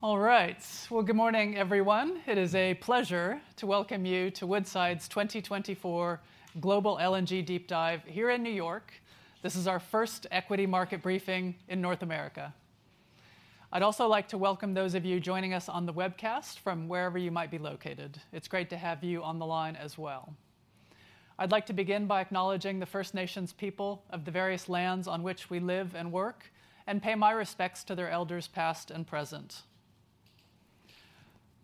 All right. Well, good morning, everyone. It is a pleasure to welcome you to Woodside's 2024 Global LNG Deep Dive here in New York. This is our first equity market briefing in North America. I'd also like to welcome those of you joining us on the webcast from wherever you might be located. It's great to have you on the line as well. I'd like to begin by acknowledging the First Nations people of the various lands on which we live and work, and pay my respects to their elders, past and present.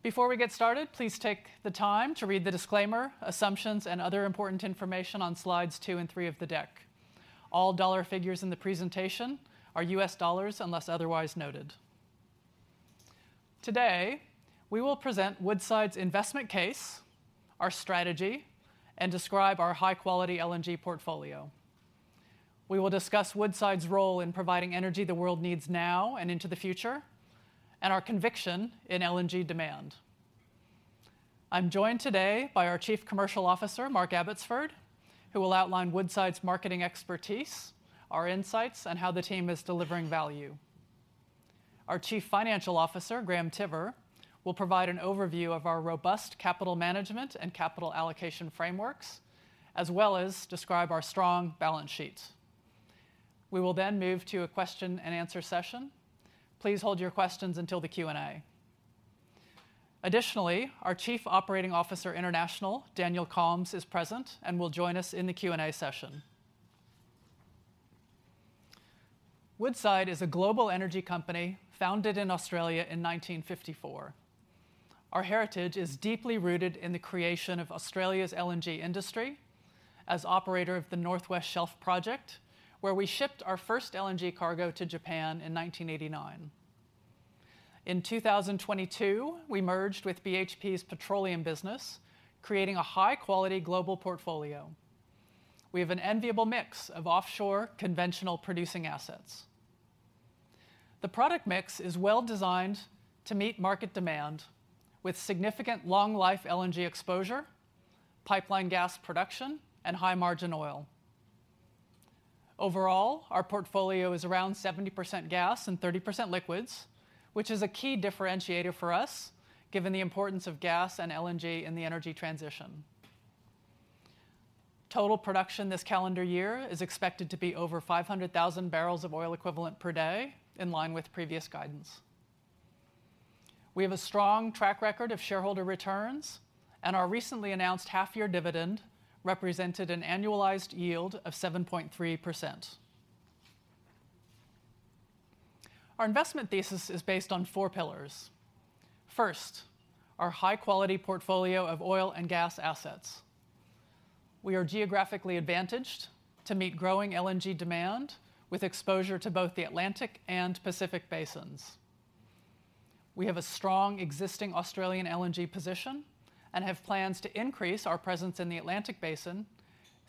Before we get started, please take the time to read the disclaimer, assumptions, and other important information on slides two and three of the deck. All dollar figures in the presentation are U.S. dollars, unless otherwise noted. Today, we will present Woodside's investment case, our strategy, and describe our high-quality LNG portfolio. We will discuss Woodside's role in providing energy the world needs now and into the future, and our conviction in LNG demand. I'm joined today by our Chief Commercial Officer, Mark Abbotsford, who will outline Woodside's marketing expertise, our insights, and how the team is delivering value. Our Chief Financial Officer, Graham Tiver, will provide an overview of our robust capital management and capital allocation frameworks, as well as describe our strong balance sheet. We will then move to a question and answer session. Please hold your questions until the Q&A. Additionally, our Chief Operating Officer, International, Daniel Kalms, is present and will join us in the Q&A session. Woodside is a global energy company founded in Australia in nineteen fifty-four. Our heritage is deeply rooted in the creation of Australia's LNG industry as operator of the North West Shelf Project, where we shipped our first LNG cargo to Japan in 1989. In 2022, we merged with BHP's petroleum business, creating a high-quality global portfolio. We have an enviable mix of offshore conventional producing assets. The product mix is well-designed to meet market demand, with significant long-life LNG exposure, pipeline gas production, and high-margin oil. Overall, our portfolio is around 70% gas and 30% liquids, which is a key differentiator for us, given the importance of gas and LNG in the energy transition. Total production this calendar year is expected to be over 500,000 barrels of oil equivalent per day, in line with previous guidance. We have a strong track record of shareholder returns, and our recently announced half-year dividend represented an annualized yield of 7.3%. Our investment thesis is based on four pillars. First, our high-quality portfolio of oil and gas assets. We are geographically advantaged to meet growing LNG demand, with exposure to both the Atlantic and Pacific basins. We have a strong existing Australian LNG position and have plans to increase our presence in the Atlantic Basin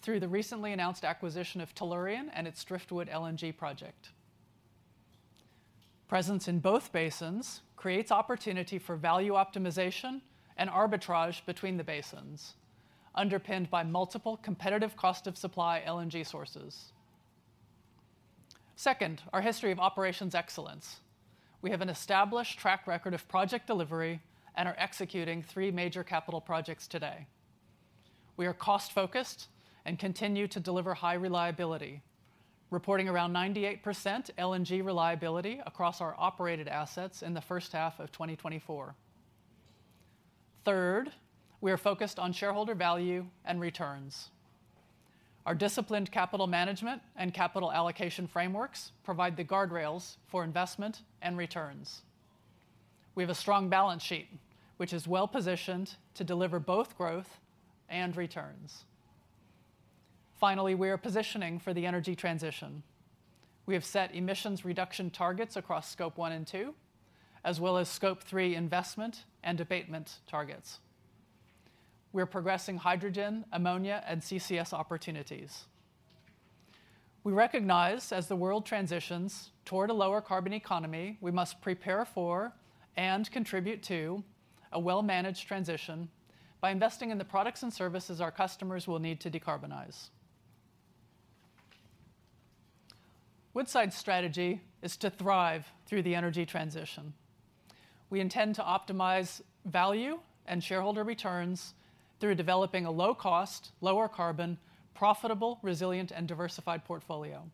through the recently announced acquisition of Tellurian and its Driftwood LNG project. Presence in both basins creates opportunity for value optimization and arbitrage between the basins, underpinned by multiple competitive cost of supply LNG sources. Second, our history of operations excellence. We have an established track record of project delivery and are executing three major capital projects today. We are cost-focused and continue to deliver high reliability, reporting around 98% LNG reliability across our operated assets in the first half of 2024. Third, we are focused on shareholder value and returns. Our disciplined capital management and capital allocation frameworks provide the guardrails for investment and returns. We have a strong balance sheet, which is well-positioned to deliver both growth and returns. Finally, we are positioning for the energy transition. We have set emissions reduction targets across Scope 1 and 2, as well as Scope 3 investment and abatement targets. We are progressing hydrogen, ammonia, and CCS opportunities. We recognize as the world transitions toward a lower carbon economy, we must prepare for and contribute to a well-managed transition by investing in the products and services our customers will need to decarbonize. Woodside's strategy is to thrive through the energy transition. We intend to optimize value and shareholder returns through developing a low-cost, lower carbon, profitable, resilient, and diversified portfolio.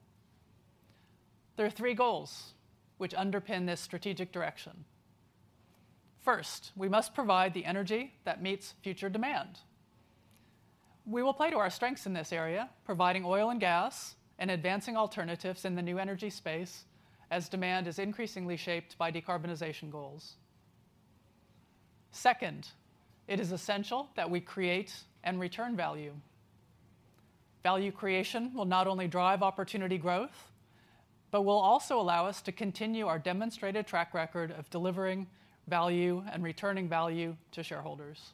There are three goals which underpin this strategic direction. First, we must provide the energy that meets future demand. We will play to our strengths in this area, providing oil and gas and advancing alternatives in the new energy space as demand is increasingly shaped by decarbonization goals. Second, it is essential that we create and return value. Value creation will not only drive opportunity growth, but will also allow us to continue our demonstrated track record of delivering value and returning value to shareholders.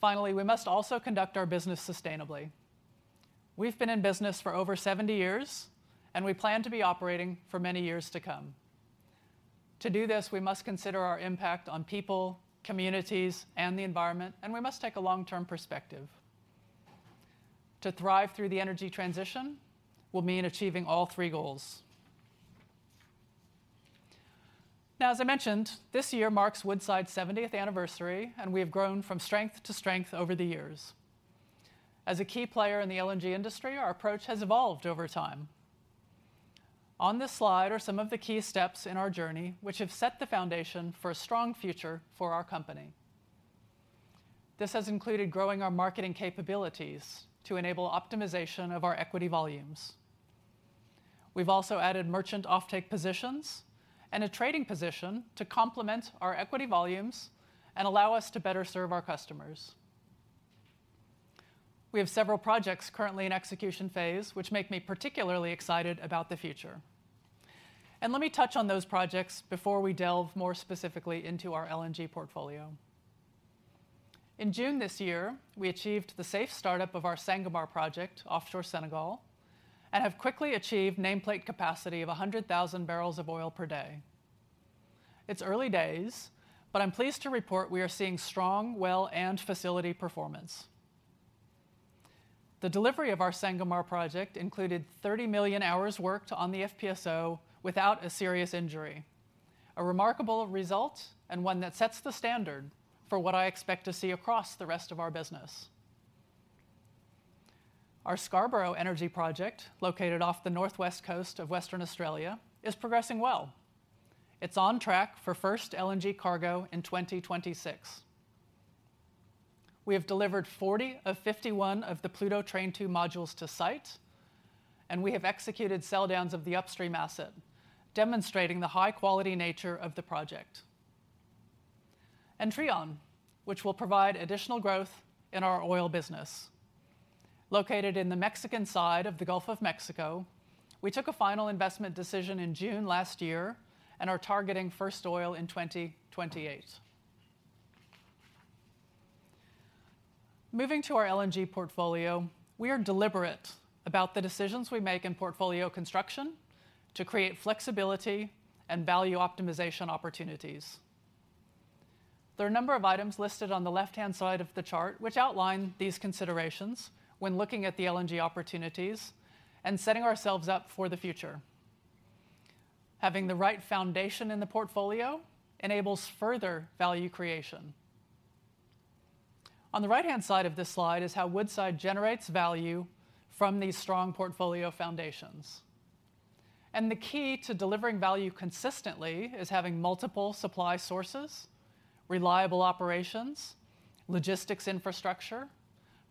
Finally, we must also conduct our business sustainably. We've been in business for over seventy years, and we plan to be operating for many years to come. To do this, we must consider our impact on people, communities, and the environment, and we must take a long-term perspective. To thrive through the energy transition will mean achieving all three goals. Now, as I mentioned, this year marks Woodside's seventieth anniversary, and we have grown from strength to strength over the years. As a key player in the LNG industry, our approach has evolved over time. On this slide are some of the key steps in our journey, which have set the foundation for a strong future for our company. This has included growing our marketing capabilities to enable optimization of our equity volumes. We've also added merchant offtake positions and a trading position to complement our equity volumes and allow us to better serve our customers. We have several projects currently in execution phase, which make me particularly excited about the future. Let me touch on those projects before we delve more specifically into our LNG portfolio. In June this year, we achieved the safe startup of our Sangomar project, offshore Senegal, and have quickly achieved nameplate capacity of 100,000 barrels of oil per day. It's early days, but I'm pleased to report we are seeing strong well and facility performance. The delivery of our Sangomar project included 30 million hours worked on the FPSO without a serious injury, a remarkable result and one that sets the standard for what I expect to see across the rest of our business. Our Scarborough Energy Project, located off the northwest coast of Western Australia, is progressing well. It's on track for first LNG cargo in 2026. We have delivered 40 of 51 of the Pluto Train 2 modules to site, and we have executed sell downs of the upstream asset, demonstrating the high-quality nature of the project, and Trion, which will provide additional growth in our oil business. Located in the Mexican side of the Gulf of Mexico, we took a final investment decision in June last year and are targeting first oil in 2028. Moving to our LNG portfolio, we are deliberate about the decisions we make in portfolio construction to create flexibility and value optimization opportunities. There are a number of items listed on the left-hand side of the chart, which outline these considerations when looking at the LNG opportunities and setting ourselves up for the future. Having the right foundation in the portfolio enables further value creation. On the right-hand side of this slide is how Woodside generates value from these strong portfolio foundations, and the key to delivering value consistently is having multiple supply sources, reliable operations, logistics infrastructure,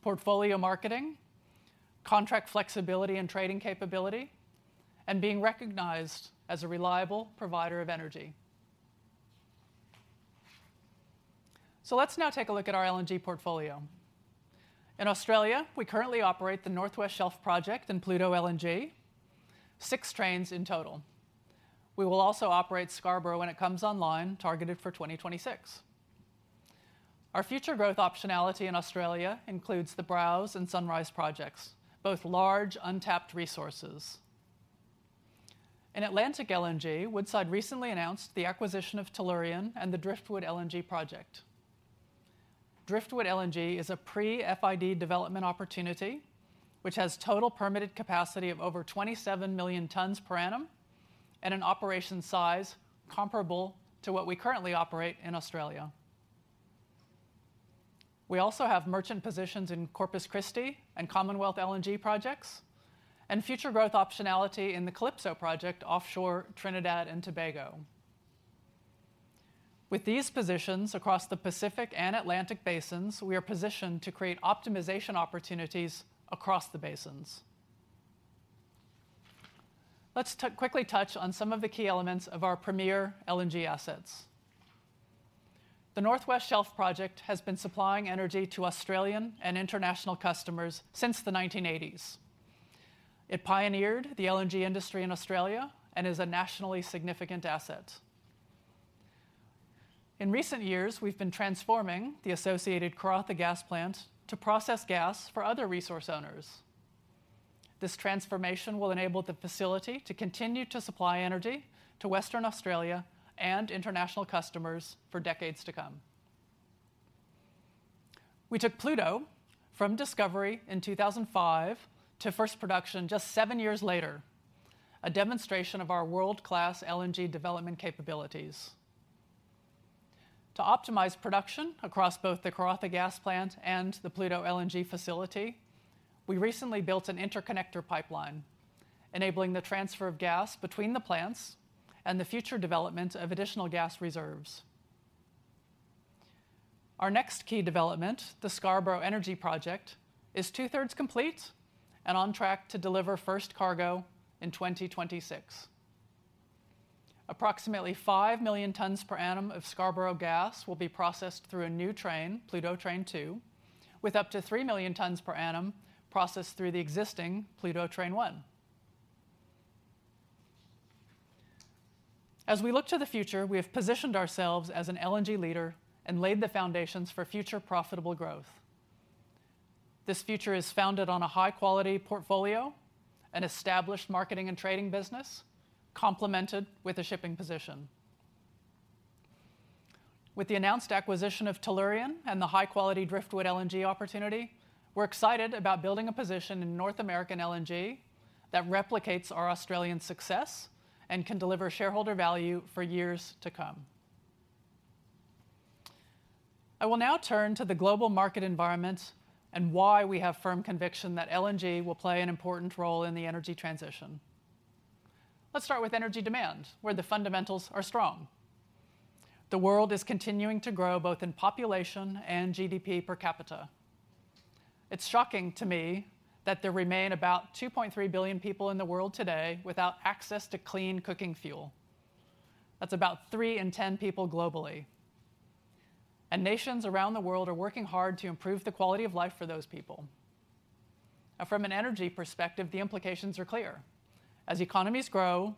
portfolio marketing, contract flexibility and trading capability, and being recognized as a reliable provider of energy, so let's now take a look at our LNG portfolio. In Australia, we currently operate the North West Shelf Project and Pluto LNG, six trains in total. We will also operate Scarborough when it comes online, targeted for 2026. Our future growth optionality in Australia includes the Browse and Sunrise projects, both large, untapped resources. In the Atlantic Basin, Woodside recently announced the acquisition of Tellurian and the Driftwood LNG project. Driftwood LNG is a pre-FID development opportunity, which has total permitted capacity of over 27 million tons per annum and an operation size comparable to what we currently operate in Australia. We also have merchant positions in Corpus Christi and Commonwealth LNG projects, and future growth optionality in the Calypso project offshore Trinidad and Tobago. With these positions across the Pacific and Atlantic basins, we are positioned to create optimization opportunities across the basins. Let's quickly touch on some of the key elements of our premier LNG assets. The North West Shelf Project has been supplying energy to Australian and international customers since the 1980s. It pioneered the LNG industry in Australia and is a nationally significant asset. In recent years, we've been transforming the associated Karratha Gas Plant to process gas for other resource owners. This transformation will enable the facility to continue to supply energy to Western Australia and international customers for decades to come. We took Pluto from discovery in 2005 to first production just seven years later, a demonstration of our world-class LNG development capabilities. To optimize production across both the Karratha Gas Plant and the Pluto LNG facility, we recently built an interconnector pipeline, enabling the transfer of gas between the plants and the future development of additional gas reserves. Our next key development, the Scarborough Energy Project, is two-thirds complete and on track to deliver first cargo in 2026. Approximately five million tons per annum of Scarborough gas will be processed through a new train, Pluto Train 2, with up to three million tons per annum processed through the existing Pluto Train 1. As we look to the future, we have positioned ourselves as an LNG leader and laid the foundations for future profitable growth. This future is founded on a high-quality portfolio and established marketing and trading business, complemented with a shipping position. With the announced acquisition of Tellurian and the high-quality Driftwood LNG opportunity, we're excited about building a position in North American LNG that replicates our Australian success and can deliver shareholder value for years to come. I will now turn to the global market environment and why we have firm conviction that LNG will play an important role in the energy transition. Let's start with energy demand, where the fundamentals are strong. The world is continuing to grow, both in population and GDP per capita. It's shocking to me that there remain about 2.3 billion people in the world today without access to clean cooking fuel. That's about three in ten people globally. Nations around the world are working hard to improve the quality of life for those people. Now, from an energy perspective, the implications are clear: as economies grow,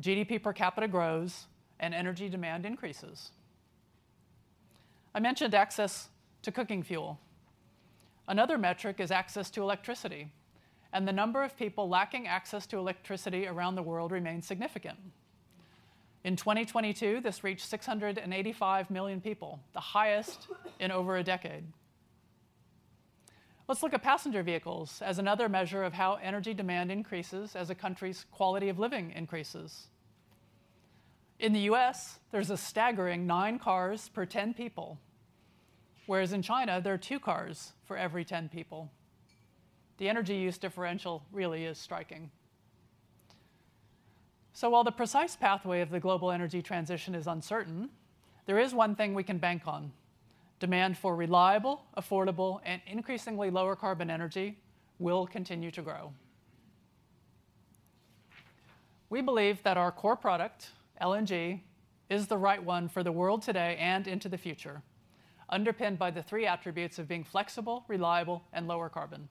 GDP per capita grows, and energy demand increases. I mentioned access to cooking fuel. Another metric is access to electricity, and the number of people lacking access to electricity around the world remains significant. In twenty twenty-two, this reached six hundred and eighty-five million people, the highest in over a decade. Let's look at passenger vehicles as another measure of how energy demand increases as a country's quality of living increases. In the U.S., there's a staggering nine cars per ten people, whereas in China, there are two cars for every ten people. The energy use differential really is striking. So while the precise pathway of the global energy transition is uncertain, there is one thing we can bank on: demand for reliable, affordable, and increasingly lower carbon energy will continue to grow. We believe that our core product, LNG, is the right one for the world today and into the future, underpinned by the three attributes of being flexible, reliable, and lower carbon.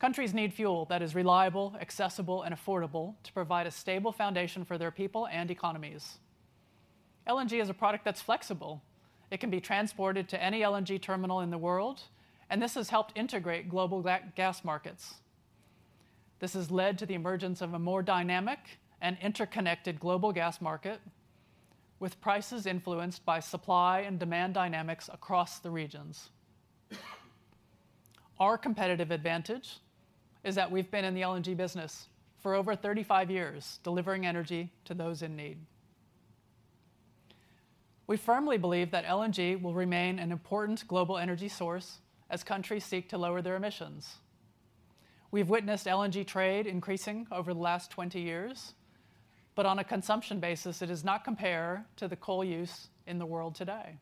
Countries need fuel that is reliable, accessible, and affordable to provide a stable foundation for their people and economies. LNG is a product that's flexible. It can be transported to any LNG terminal in the world, and this has helped integrate global gas markets. This has led to the emergence of a more dynamic and interconnected global gas market, with prices influenced by supply and demand dynamics across the regions. Our competitive advantage is that we've been in the LNG business for over thirty-five years, delivering energy to those in need. We firmly believe that LNG will remain an important global energy source as countries seek to lower their emissions. We've witnessed LNG trade increasing over the last twenty years, but on a consumption basis, it does not compare to the coal use in the world today.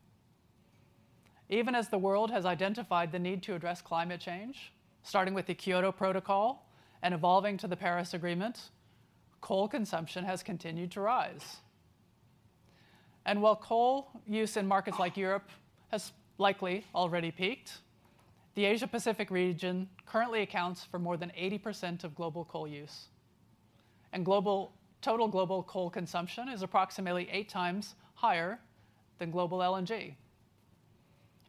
Even as the world has identified the need to address climate change, starting with the Kyoto Protocol and evolving to the Paris Agreement, coal consumption has continued to rise. And while coal use in markets like Europe has likely already peaked, the Asia-Pacific region currently accounts for more than 80% of global coal use. And total global coal consumption is approximately eight times higher than global LNG.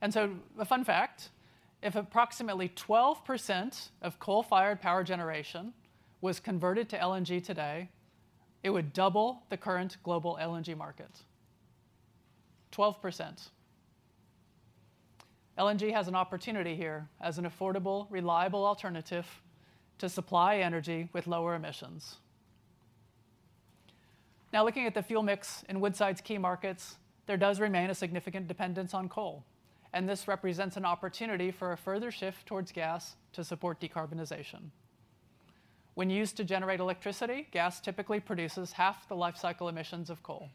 And so a fun fact: if approximately 12% of coal-fired power generation was converted to LNG today, it would double the current global LNG market. 12%. LNG has an opportunity here as an affordable, reliable alternative to supply energy with lower emissions. Now, looking at the fuel mix in Woodside's key markets, there does remain a significant dependence on coal, and this represents an opportunity for a further shift towards gas to support decarbonization. When used to generate electricity, gas typically produces half the lifecycle emissions of coal.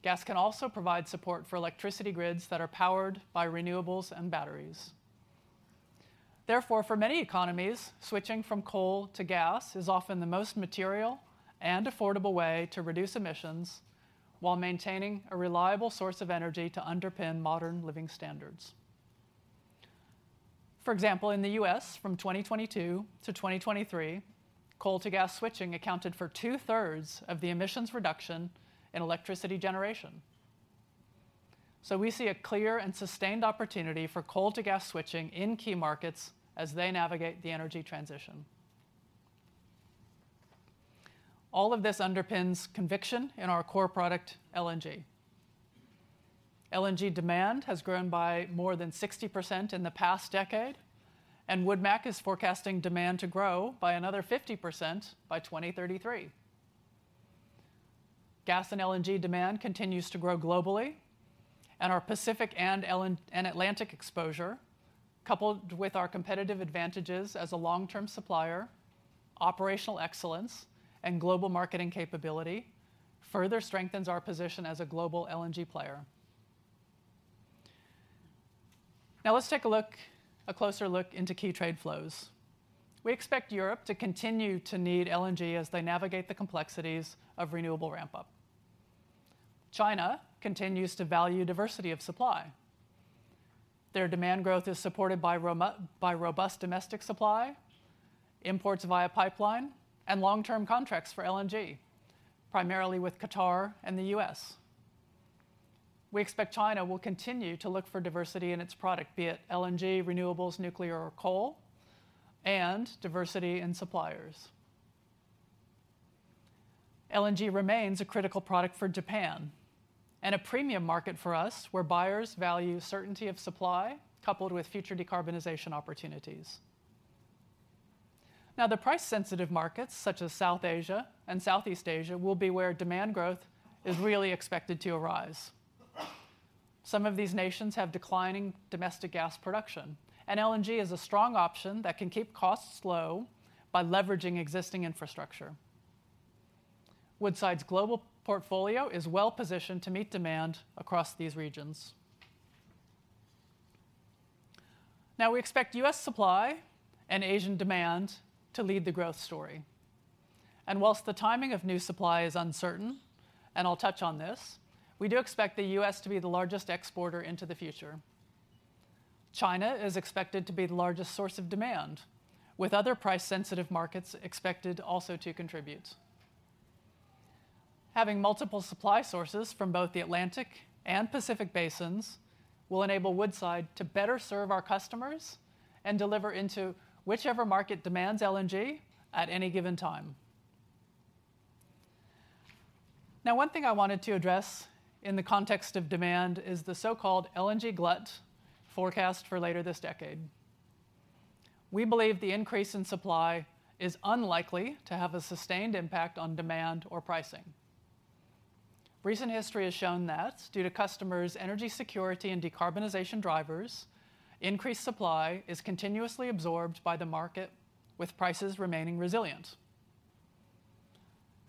Gas can also provide support for electricity grids that are powered by renewables and batteries. Therefore, for many economies, switching from coal to gas is often the most material and affordable way to reduce emissions while maintaining a reliable source of energy to underpin modern living standards. For example, in the U.S., from 2022 to 2023, coal to gas switching accounted for two-thirds of the emissions reduction in electricity generation. So we see a clear and sustained opportunity for coal to gas switching in key markets as they navigate the energy transition. All of this underpins conviction in our core product, LNG. LNG demand has grown by more than 60% in the past decade, and WoodMac is forecasting demand to grow by another 50% by 2033. Gas and LNG demand continues to grow globally, and our Pacific and Atlantic exposure, coupled with our competitive advantages as a long-term supplier, operational excellence, and global marketing capability, further strengthens our position as a global LNG player. Now let's take a look, a closer look into key trade flows. We expect Europe to continue to need LNG as they navigate the complexities of renewable ramp-up. China continues to value diversity of supply. Their demand growth is supported by robust domestic supply, imports via pipeline, and long-term contracts for LNG, primarily with Qatar and the U.S. We expect China will continue to look for diversity in its product, be it LNG, renewables, nuclear, or coal, and diversity in suppliers. LNG remains a critical product for Japan and a premium market for us, where buyers value certainty of supply, coupled with future decarbonization opportunities. Now, the price-sensitive markets, such as South Asia and Southeast Asia, will be where demand growth is really expected to arise. Some of these nations have declining domestic gas production, and LNG is a strong option that can keep costs low by leveraging existing infrastructure. Woodside's global portfolio is well-positioned to meet demand across these regions. Now, we expect U.S. supply and Asian demand to lead the growth story. And while the timing of new supply is uncertain, and I'll touch on this, we do expect the U.S. to be the largest exporter into the future. China is expected to be the largest source of demand, with other price-sensitive markets expected also to contribute. Having multiple supply sources from both the Atlantic and Pacific basins will enable Woodside to better serve our customers and deliver into whichever market demands LNG at any given time. Now, one thing I wanted to address in the context of demand is the so-called LNG glut forecast for later this decade. We believe the increase in supply is unlikely to have a sustained impact on demand or pricing. Recent history has shown that due to customers' energy security and decarbonization drivers, increased supply is continuously absorbed by the market, with prices remaining resilient.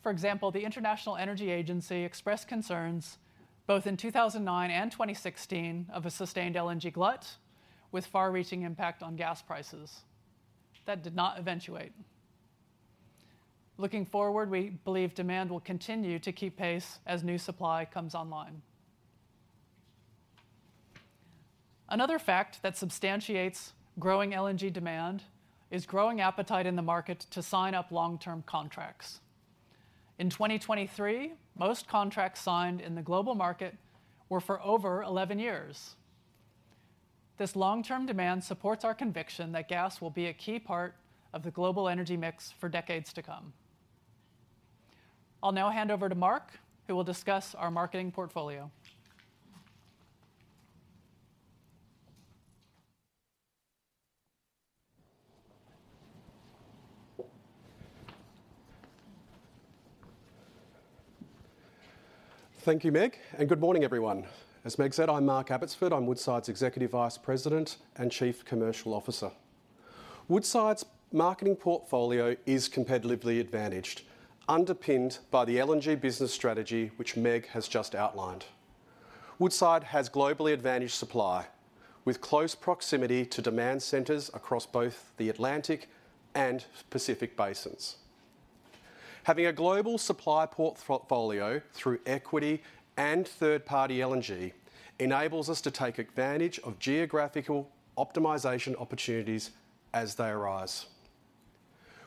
For example, the International Energy Agency expressed concerns both in 2009 and 2016 of a sustained LNG glut, with far-reaching impact on gas prices. That did not eventuate. Looking forward, we believe demand will continue to keep pace as new supply comes online. Another fact that substantiates growing LNG demand is growing appetite in the market to sign up long-term contracts. In 2023, most contracts signed in the global market were for over 11 years. This long-term demand supports our conviction that gas will be a key part of the global energy mix for decades to come. I'll now hand over to Mark, who will discuss our marketing portfolio. Thank you, Meg, and good morning, everyone. As Meg said, I'm Mark Abbotsford. I'm Woodside's Executive Vice President and Chief Commercial Officer. Woodside's marketing portfolio is competitively advantaged, underpinned by the LNG business strategy, which Meg has just outlined. Woodside has globally advantaged supply, with close proximity to demand centers across both the Atlantic and Pacific basins. Having a global supply portfolio through equity and third-party LNG enables us to take advantage of geographical optimization opportunities as they arise.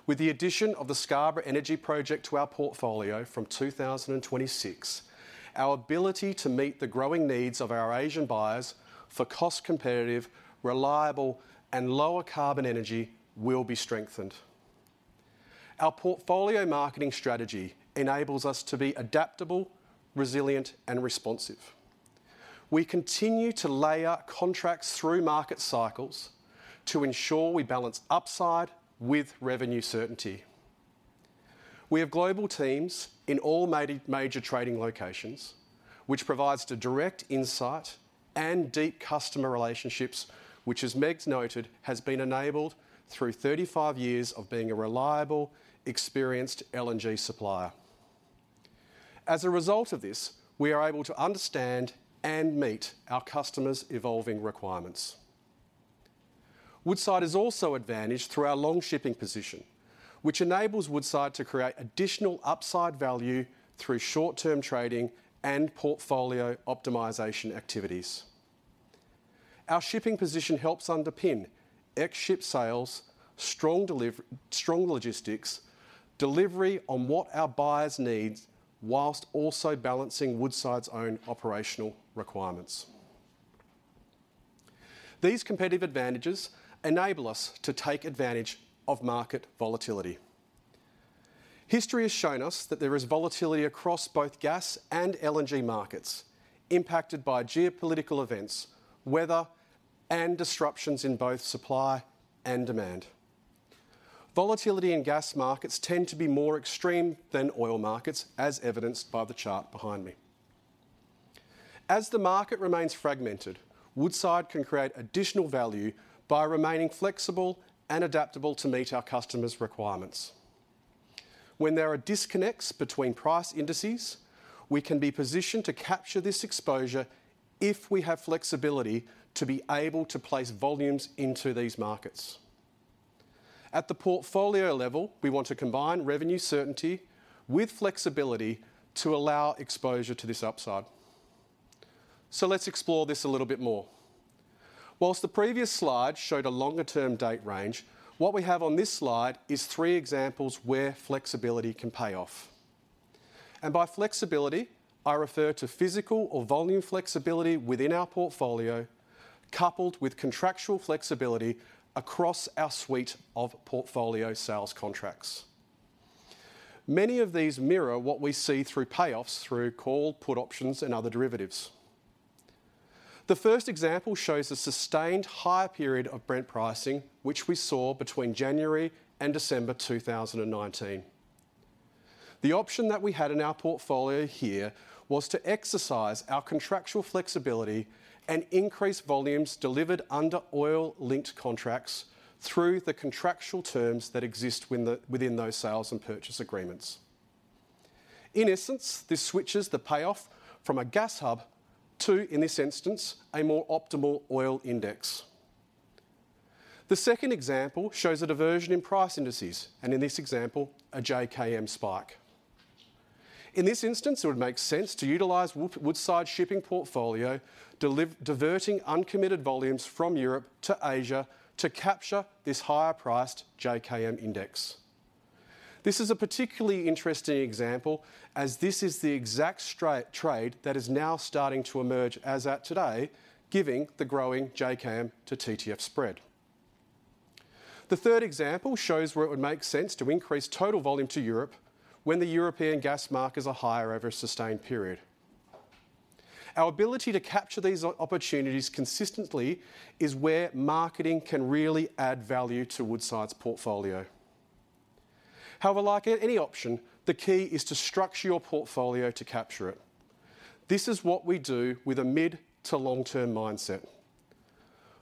With the addition of the Scarborough Energy Project to our portfolio from 2026, our ability to meet the growing needs of our Asian buyers for cost-competitive, reliable, and lower-carbon energy will be strengthened. Our portfolio marketing strategy enables us to be adaptable, resilient, and responsive. We continue to layer contracts through market cycles to ensure we balance upside with revenue certainty. We have global teams in all major trading locations, which provides the direct insight and deep customer relationships, which, as Meg's noted, has been enabled through 35 years of being a reliable, experienced LNG supplier. As a result of this, we are able to understand and meet our customers' evolving requirements. Woodside is also advantaged through our long shipping position, which enables Woodside to create additional upside value through short-term trading and portfolio optimization activities. Our shipping position helps underpin ex-ship sales, strong logistics, delivery on what our buyers need, whilst also balancing Woodside's own operational requirements. These competitive advantages enable us to take advantage of market volatility. History has shown us that there is volatility across both gas and LNG markets, impacted by geopolitical events, weather, and disruptions in both supply and demand. Volatility in gas markets tend to be more extreme than oil markets, as evidenced by the chart behind me. As the market remains fragmented, Woodside can create additional value by remaining flexible and adaptable to meet our customers' requirements. When there are disconnects between price indices, we can be positioned to capture this exposure if we have flexibility to be able to place volumes into these markets. At the portfolio level, we want to combine revenue certainty with flexibility to allow exposure to this upside. So let's explore this a little bit more. While the previous slide showed a longer-term date range, what we have on this slide is three examples where flexibility can pay off, and by flexibility, I refer to physical or volume flexibility within our portfolio, coupled with contractual flexibility across our suite of portfolio sales contracts. Many of these mirror what we see through payoffs, through call, put options, and other derivatives. The first example shows a sustained higher period of Brent pricing, which we saw between January and December 2019. The option that we had in our portfolio here was to exercise our contractual flexibility and increase volumes delivered under oil-linked contracts through the contractual terms that exist within those sales and purchase agreements. In essence, this switches the payoff from a gas hub to, in this instance, a more optimal oil index. The second example shows a diversion in price indices, and in this example, a JKM spike. In this instance, it would make sense to utilize Woodside's shipping portfolio, diverting uncommitted volumes from Europe to Asia to capture this higher-priced JKM index. This is a particularly interesting example, as this is the exact straight trade that is now starting to emerge as at today, giving the growing JKM to TTF spread. The third example shows where it would make sense to increase total volume to Europe when the European gas markets are higher over a sustained period. Our ability to capture these opportunities consistently is where marketing can really add value to Woodside's portfolio. However, like any option, the key is to structure your portfolio to capture it. This is what we do with a mid to long-term mindset.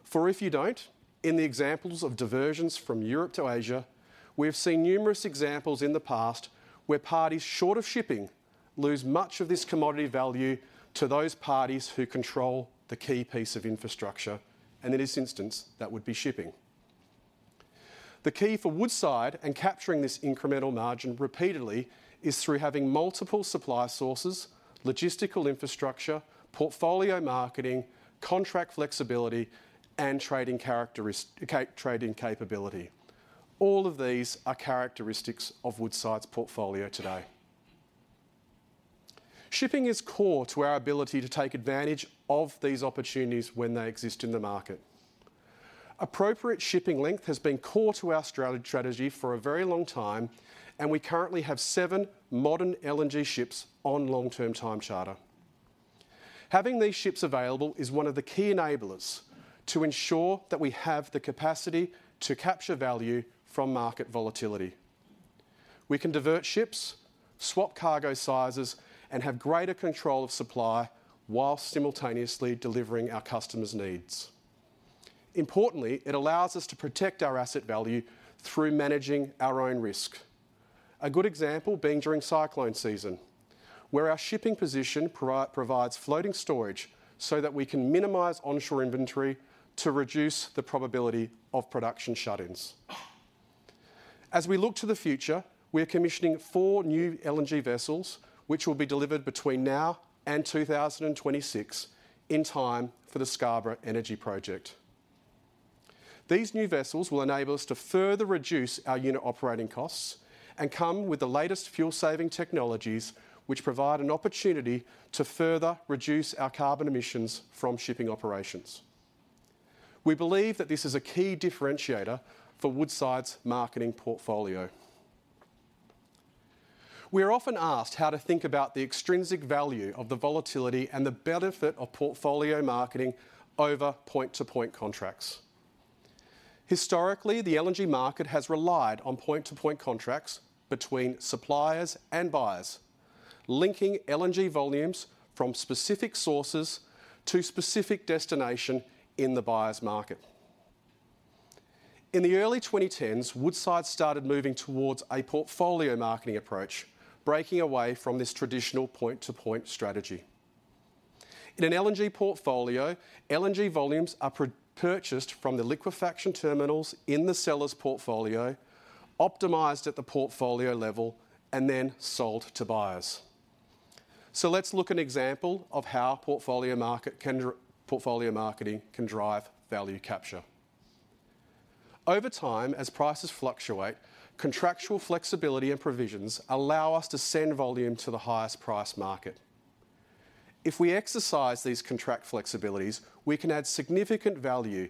For if you don't, in the examples of diversions from Europe to Asia, we have seen numerous examples in the past where parties short of shipping lose much of this commodity value to those parties who control the key piece of infrastructure, and in this instance, that would be shipping. The key for Woodside in capturing this incremental margin repeatedly is through having multiple supply sources, logistical infrastructure, portfolio marketing, contract flexibility, and trading capability. All of these are characteristics of Woodside's portfolio today. Shipping is core to our ability to take advantage of these opportunities when they exist in the market. Appropriate shipping length has been core to our strategy for a very long time, and we currently have seven modern LNG ships on long-term time charter. Having these ships available is one of the key enablers to ensure that we have the capacity to capture value from market volatility. We can divert ships, swap cargo sizes, and have greater control of supply while simultaneously delivering our customers' needs. Importantly, it allows us to protect our asset value through managing our own risk. A good example being during cyclone season, where our shipping position provides floating storage so that we can minimize onshore inventory to reduce the probability of production shut-ins. As we look to the future, we are commissioning four new LNG vessels, which will be delivered between now and 2026, in time for the Scarborough Energy Project. These new vessels will enable us to further reduce our unit operating costs and come with the latest fuel-saving technologies, which provide an opportunity to further reduce our carbon emissions from shipping operations. We believe that this is a key differentiator for Woodside's marketing portfolio. We are often asked how to think about the extrinsic value of the volatility and the benefit of portfolio marketing over point-to-point contracts. Historically, the LNG market has relied on point-to-point contracts between suppliers and buyers, linking LNG volumes from specific sources to specific destination in the buyer's market. In the early twenty tens, Woodside started moving towards a portfolio marketing approach, breaking away from this traditional point-to-point strategy. In an LNG portfolio, LNG volumes are purchased from the liquefaction terminals in the seller's portfolio, optimized at the portfolio level, and then sold to buyers. Let's look at an example of how portfolio marketing can drive value capture. Over time, as prices fluctuate, contractual flexibility and provisions allow us to send volume to the highest price market. If we exercise these contract flexibilities, we can add significant value,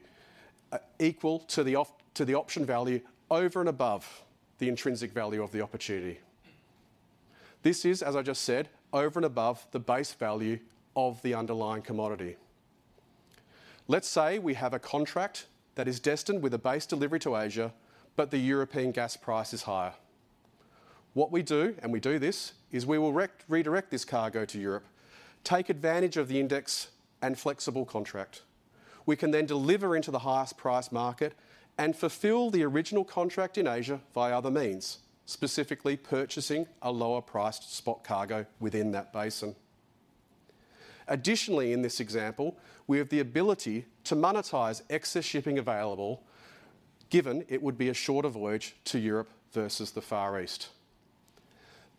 equal to the option value over and above the intrinsic value of the opportunity. This is, as I just said, over and above the base value of the underlying commodity. Let's say we have a contract that is destined with a base delivery to Asia, but the European gas price is higher. What we do, and we do this, is we will redirect this cargo to Europe, take advantage of the index and flexible contract. We can then deliver into the highest price market and fulfill the original contract in Asia via other means, specifically purchasing a lower-priced spot cargo within that basin. Additionally, in this example, we have the ability to monetize excess shipping available, given it would be a shorter voyage to Europe versus the Far East.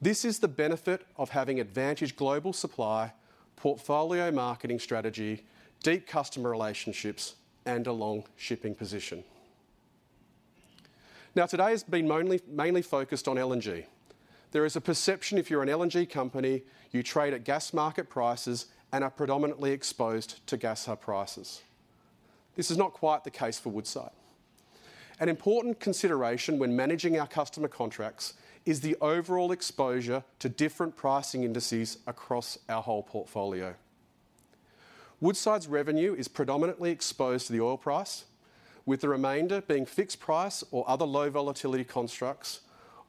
This is the benefit of having advantaged global supply, portfolio marketing strategy, deep customer relationships, and a long shipping position. Now, today has been mainly focused on LNG. There is a perception if you're an LNG company, you trade at gas market prices and are predominantly exposed to gas hub prices. This is not quite the case for Woodside. An important consideration when managing our customer contracts is the overall exposure to different pricing indices across our whole portfolio. Woodside's revenue is predominantly exposed to the oil price, with the remainder being fixed price or other low volatility constructs,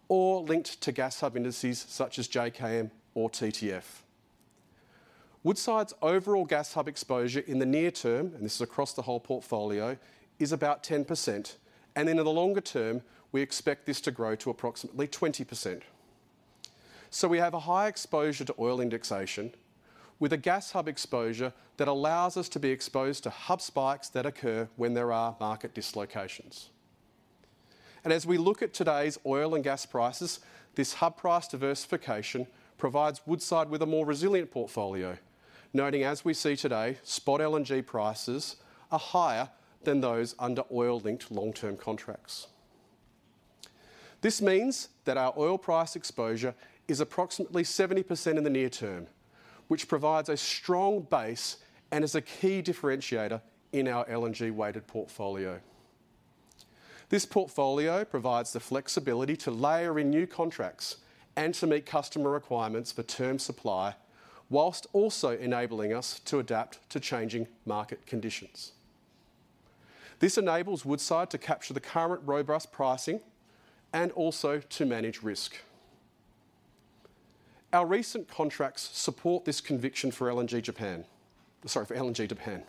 or linked to gas hub indices such as JKM or TTF. Woodside's overall gas hub exposure in the near term, and this is across the whole portfolio, is about 10%, and in the longer term, we expect this to grow to approximately 20%. We have a high exposure to oil indexation, with a gas hub exposure that allows us to be exposed to hub spikes that occur when there are market dislocations. And as we look at today's oil and gas prices, this hub price diversification provides Woodside with a more resilient portfolio, noting, as we see today, spot LNG prices are higher than those under oil-linked long-term contracts. This means that our oil price exposure is approximately 70% in the near term, which provides a strong base and is a key differentiator in our LNG-weighted portfolio. This portfolio provides the flexibility to layer in new contracts and to meet customer requirements for term supply, while also enabling us to adapt to changing market conditions. This enables Woodside to capture the current robust pricing and also to manage risk. Our recent contracts support this conviction for LNG Japan. Sorry, for LNG Japan.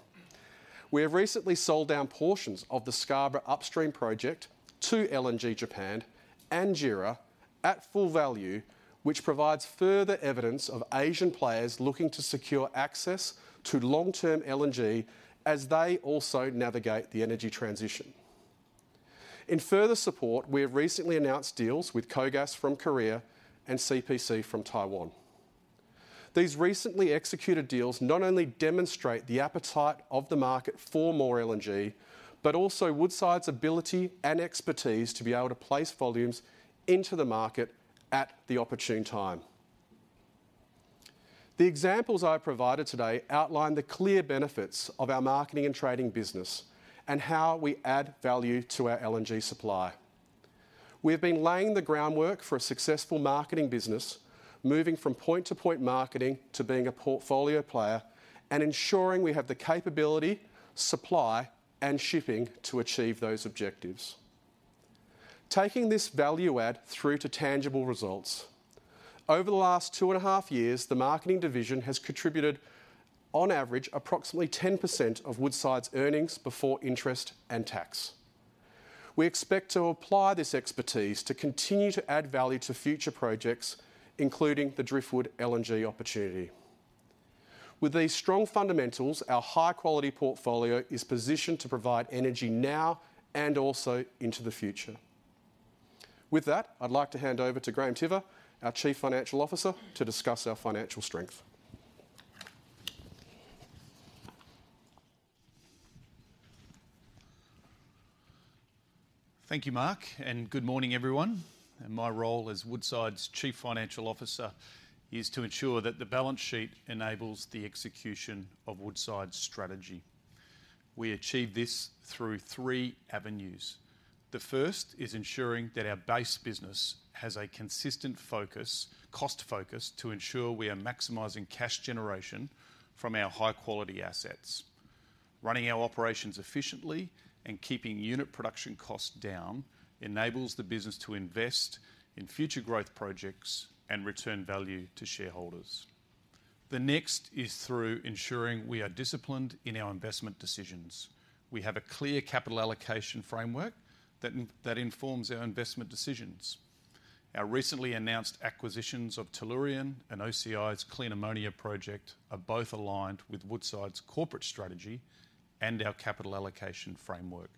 We have recently sold down portions of the Scarborough Upstream project to LNG Japan and JERA at full value, which provides further evidence of Asian players looking to secure access to long-term LNG as they also navigate the energy transition. In further support, we have recently announced deals with KOGAS from Korea and CPC from Taiwan. These recently executed deals not only demonstrate the appetite of the market for more LNG, but also Woodside's ability and expertise to be able to place volumes into the market at the opportune time. The examples I provided today outline the clear benefits of our marketing and trading business and how we add value to our LNG supply. We have been laying the groundwork for a successful marketing business, moving from point-to-point marketing to being a portfolio player and ensuring we have the capability, supply, and shipping to achieve those objectives. Taking this value add through to tangible results, over the last two and a half years, the marketing division has contributed, on average, approximately 10% of Woodside's earnings before interest and tax. We expect to apply this expertise to continue to add value to future projects, including the Driftwood LNG opportunity. With these strong fundamentals, our high-quality portfolio is positioned to provide energy now and also into the future. With that, I'd like to hand over to Graham Tiver, our Chief Financial Officer, to discuss our financial strength. Thank you, Mark, and good morning, everyone. My role as Woodside's Chief Financial Officer is to ensure that the balance sheet enables the execution of Woodside's strategy. We achieve this through three avenues. The first is ensuring that our base business has a consistent focus, cost focus, to ensure we are maximizing cash generation from our high-quality assets. Running our operations efficiently and keeping unit production costs down enables the business to invest in future growth projects and return value to shareholders. The next is through ensuring we are disciplined in our investment decisions. We have a clear capital allocation framework that informs our investment decisions. Our recently announced acquisitions of Tellurian and OCI's Clean Ammonia project are both aligned with Woodside's corporate strategy and our capital allocation framework.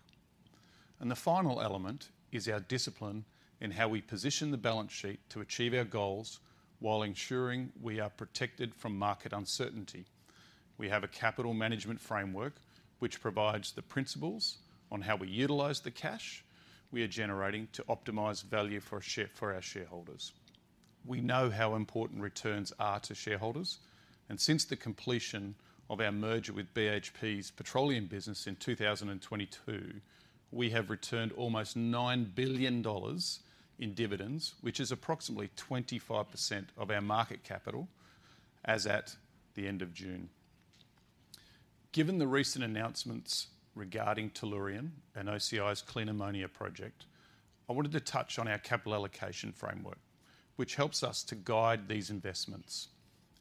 The final element is our discipline in how we position the balance sheet to achieve our goals while ensuring we are protected from market uncertainty. We have a capital management framework, which provides the principles on how we utilize the cash we are generating to optimize value for our shareholders. We know how important returns are to shareholders, and since the completion of our merger with BHP's petroleum business in 2022, we have returned almost $9 billion in dividends, which is approximately 25% of our market capital as at the end of June. Given the recent announcements regarding Tellurian and OCI's Clean Ammonia project, I wanted to touch on our capital allocation framework, which helps us to guide these investments.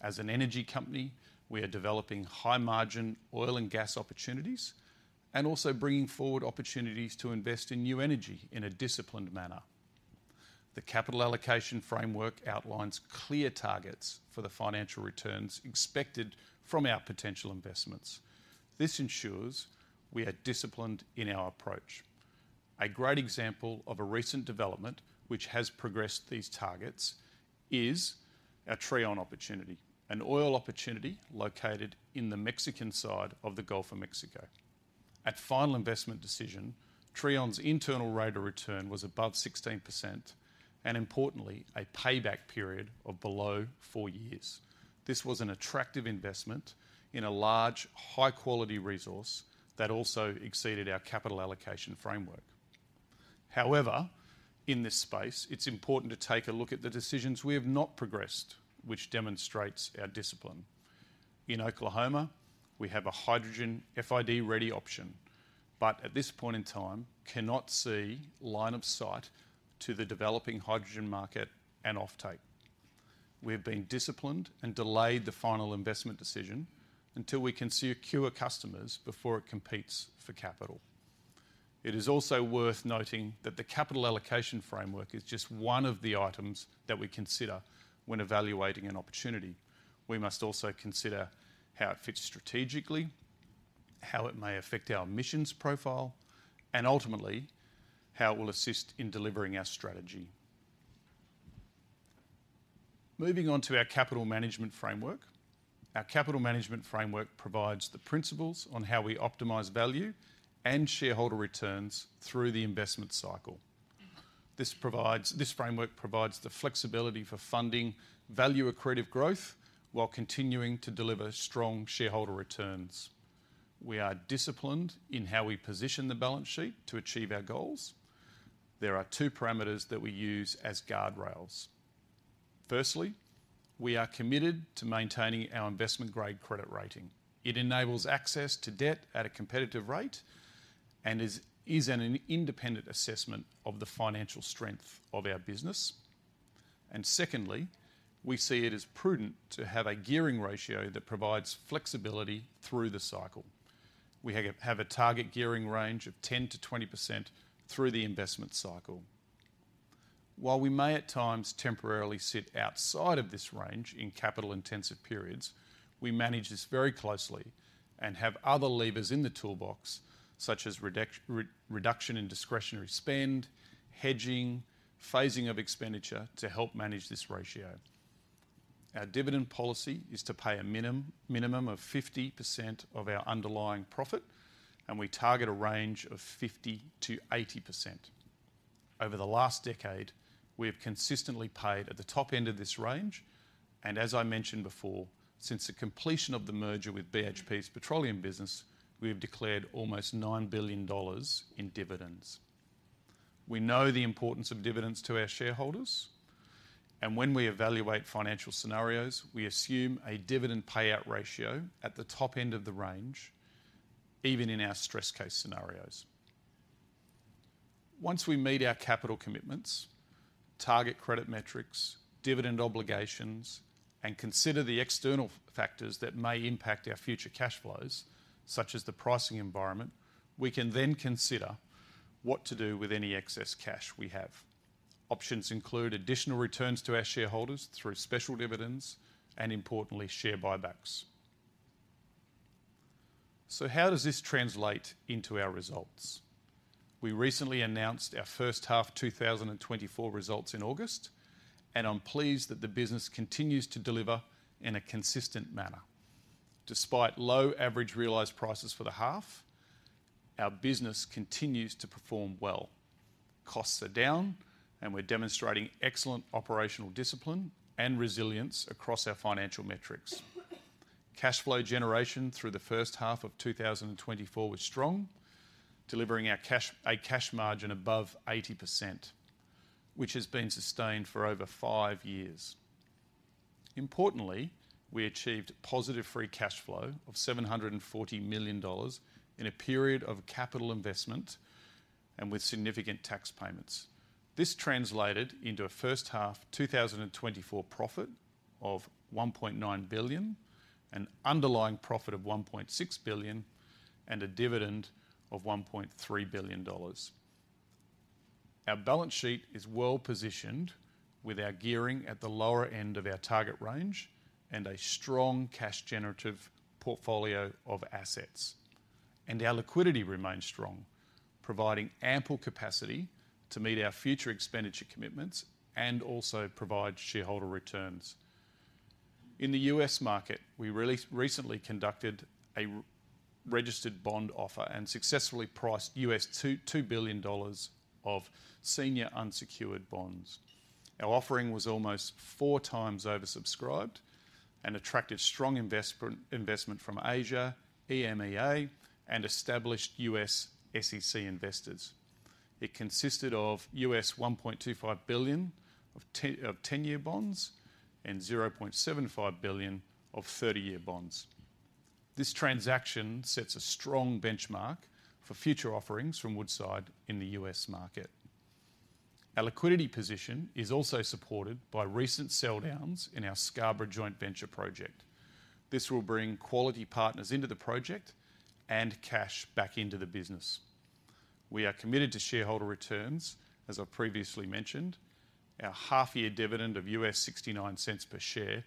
As an energy company, we are developing high-margin oil and gas opportunities and also bringing forward opportunities to invest in new energy in a disciplined manner. The capital allocation framework outlines clear targets for the financial returns expected from our potential investments. This ensures we are disciplined in our approach. A great example of a recent development which has progressed these targets is our Trion opportunity, an oil opportunity located in the Mexican side of the Gulf of Mexico. At final investment decision, Trion's internal rate of return was above 16%, and importantly, a payback period of below four years. This was an attractive investment in a large, high-quality resource that also exceeded our capital allocation framework. However, in this space, it's important to take a look at the decisions we have not progressed, which demonstrates our discipline. In Oklahoma, we have a hydrogen FID-ready option, but at this point in time, cannot see line of sight to the developing hydrogen market and offtake. We have been disciplined and delayed the final investment decision until we can secure customers before it competes for capital. It is also worth noting that the capital allocation framework is just one of the items that we consider when evaluating an opportunity. We must also consider how it fits strategically, how it may affect our emissions profile, and ultimately, how it will assist in delivering our strategy. Moving on to our capital management framework. Our capital management framework provides the principles on how we optimize value and shareholder returns through the investment cycle. This framework provides the flexibility for funding value-accretive growth while continuing to deliver strong shareholder returns. We are disciplined in how we position the balance sheet to achieve our goals. There are two parameters that we use as guardrails. Firstly, we are committed to maintaining our investment-grade credit rating. It enables access to debt at a competitive rate and is an independent assessment of the financial strength of our business. And secondly, we see it as prudent to have a gearing ratio that provides flexibility through the cycle. We have a target gearing range of 10%-20% through the investment cycle. While we may at times temporarily sit outside of this range in capital-intensive periods, we manage this very closely and have other levers in the toolbox, such as reduction in discretionary spend, hedging, phasing of expenditure, to help manage this ratio. Our dividend policy is to pay a minimum of 50% of our underlying profit, and we target a range of 50%-80%. Over the last decade, we have consistently paid at the top end of this range, and as I mentioned before, since the completion of the merger with BHP's petroleum business, we have declared almost $9 billion in dividends. We know the importance of dividends to our shareholders, and when we evaluate financial scenarios, we assume a dividend payout ratio at the top end of the range, even in our stress case scenarios. Once we meet our capital commitments, target credit metrics, dividend obligations, and consider the external factors that may impact our future cash flows, such as the pricing environment, we can then consider what to do with any excess cash we have. Options include additional returns to our shareholders through special dividends and, importantly, share buybacks. So how does this translate into our results? We recently announced our first half 2024 results in August, and I'm pleased that the business continues to deliver in a consistent manner. Despite low average realized prices for the half, our business continues to perform well. Costs are down, and we're demonstrating excellent operational discipline and resilience across our financial metrics. Cash flow generation through the first half of 2024 was strong, delivering a cash margin above 80%, which has been sustained for over five years. Importantly, we achieved positive free cash flow of $740 million in a period of capital investment and with significant tax payments. This translated into a first half 2024 profit of $1.9 billion, an underlying profit of $1.6 billion, and a dividend of $1.3 billion. Our balance sheet is well-positioned, with our gearing at the lower end of our target range and a strong cash generative portfolio of assets. Our liquidity remains strong, providing ample capacity to meet our future expenditure commitments and also provide shareholder returns. In the U.S. market, we recently conducted a registered bond offer and successfully priced $2 billion of senior unsecured bonds. Our offering was almost four times oversubscribed and attracted strong investment from Asia, EMEA, and established U.S. SEC investors. It consisted of $1.25 billion of ten-year bonds and $0.75 billion of thirty-year bonds. This transaction sets a strong benchmark for future offerings from Woodside in the U.S. market. Our liquidity position is also supported by recent sell downs in our Scarborough joint venture project. This will bring quality partners into the project and cash back into the business. We are committed to shareholder returns, as I previously mentioned. Our half-year dividend of $0.69 per share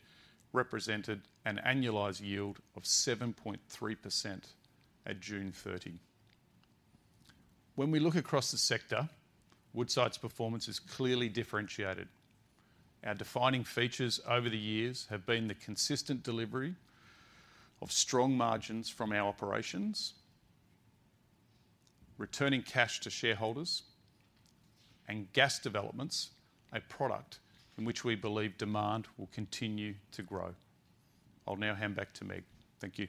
represented an annualized yield of 7.3% at June 30.... When we look across the sector, Woodside's performance is clearly differentiated. Our defining features over the years have been the consistent delivery of strong margins from our operations, returning cash to shareholders, and gas developments, a product in which we believe demand will continue to grow. I'll now hand back to Meg. Thank you.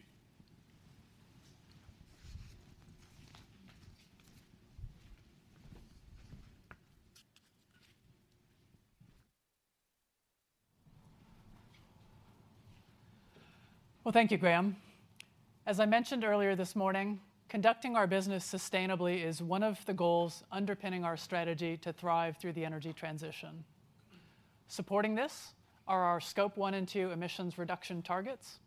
Thank you, Graham. As I mentioned earlier this morning, conducting our business sustainably is one of the goals underpinning our strategy to thrive through the energy transition. Supporting this are our Scope 1 and 2 emissions reduction targets,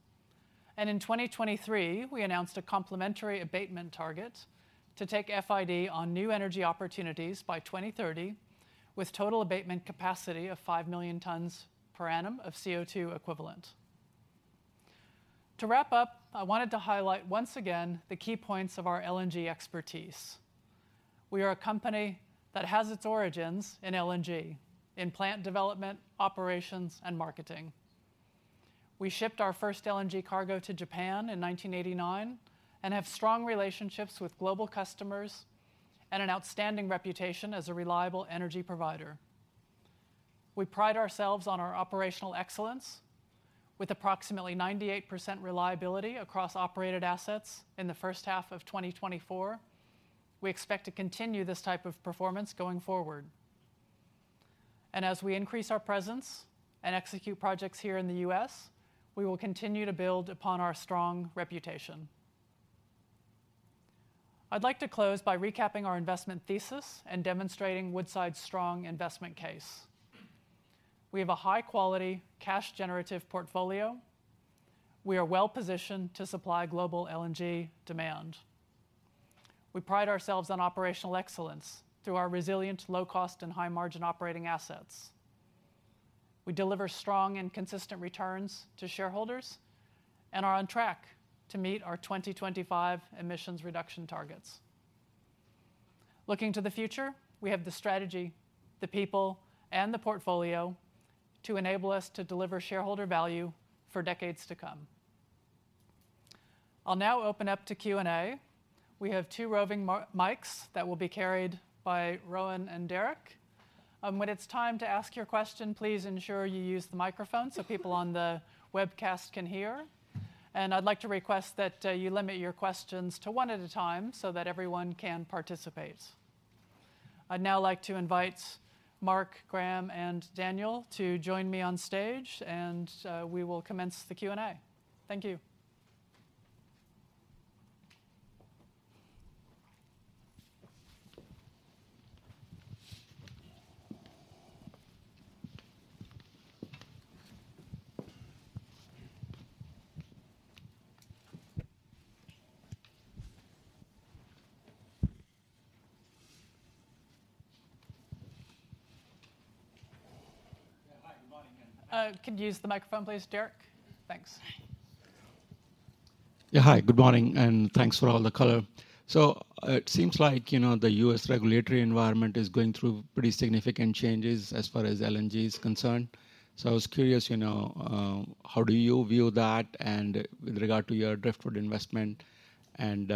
and in 2023, we announced a complementary abatement target to take FID on new energy opportunities by 2030, with total abatement capacity of five million tons per annum of CO₂ equivalent. To wrap up, I wanted to highlight once again the key points of our LNG expertise. We are a company that has its origins in LNG, in plant development, operations, and marketing. We shipped our first LNG cargo to Japan in 1989 and have strong relationships with global customers and an outstanding reputation as a reliable energy provider. We pride ourselves on our operational excellence with approximately 98% reliability across operated assets in the first half of 2024. We expect to continue this type of performance going forward. And as we increase our presence and execute projects here in the U.S., we will continue to build upon our strong reputation. I'd like to close by recapping our investment thesis and demonstrating Woodside's strong investment case. We have a high-quality, cash-generative portfolio. We are well-positioned to supply global LNG demand. We pride ourselves on operational excellence through our resilient, low-cost, and high-margin operating assets. We deliver strong and consistent returns to shareholders and are on track to meet our 2025 emissions reduction targets. Looking to the future, we have the strategy, the people, and the portfolio to enable us to deliver shareholder value for decades to come. I'll now open up to Q&A. We have two roving mics that will be carried by Rowan and Derek. When it's time to ask your question, please ensure you use the microphone so people on the webcast can hear. And I'd like to request that you limit your questions to one at a time so that everyone can participate. I'd now like to invite Mark, Graham, and Daniel to join me on stage, and we will commence the Q&A. Thank you. Yeah, hi, good morning, and- Could you use the microphone, please, Derek? Thanks. Yeah, hi, good morning, and thanks for all the color. So it seems like, you know, the U.S. regulatory environment is going through pretty significant changes as far as LNG is concerned, so I was curious, you know, how do you view that? And with regard to your Driftwood investment, and,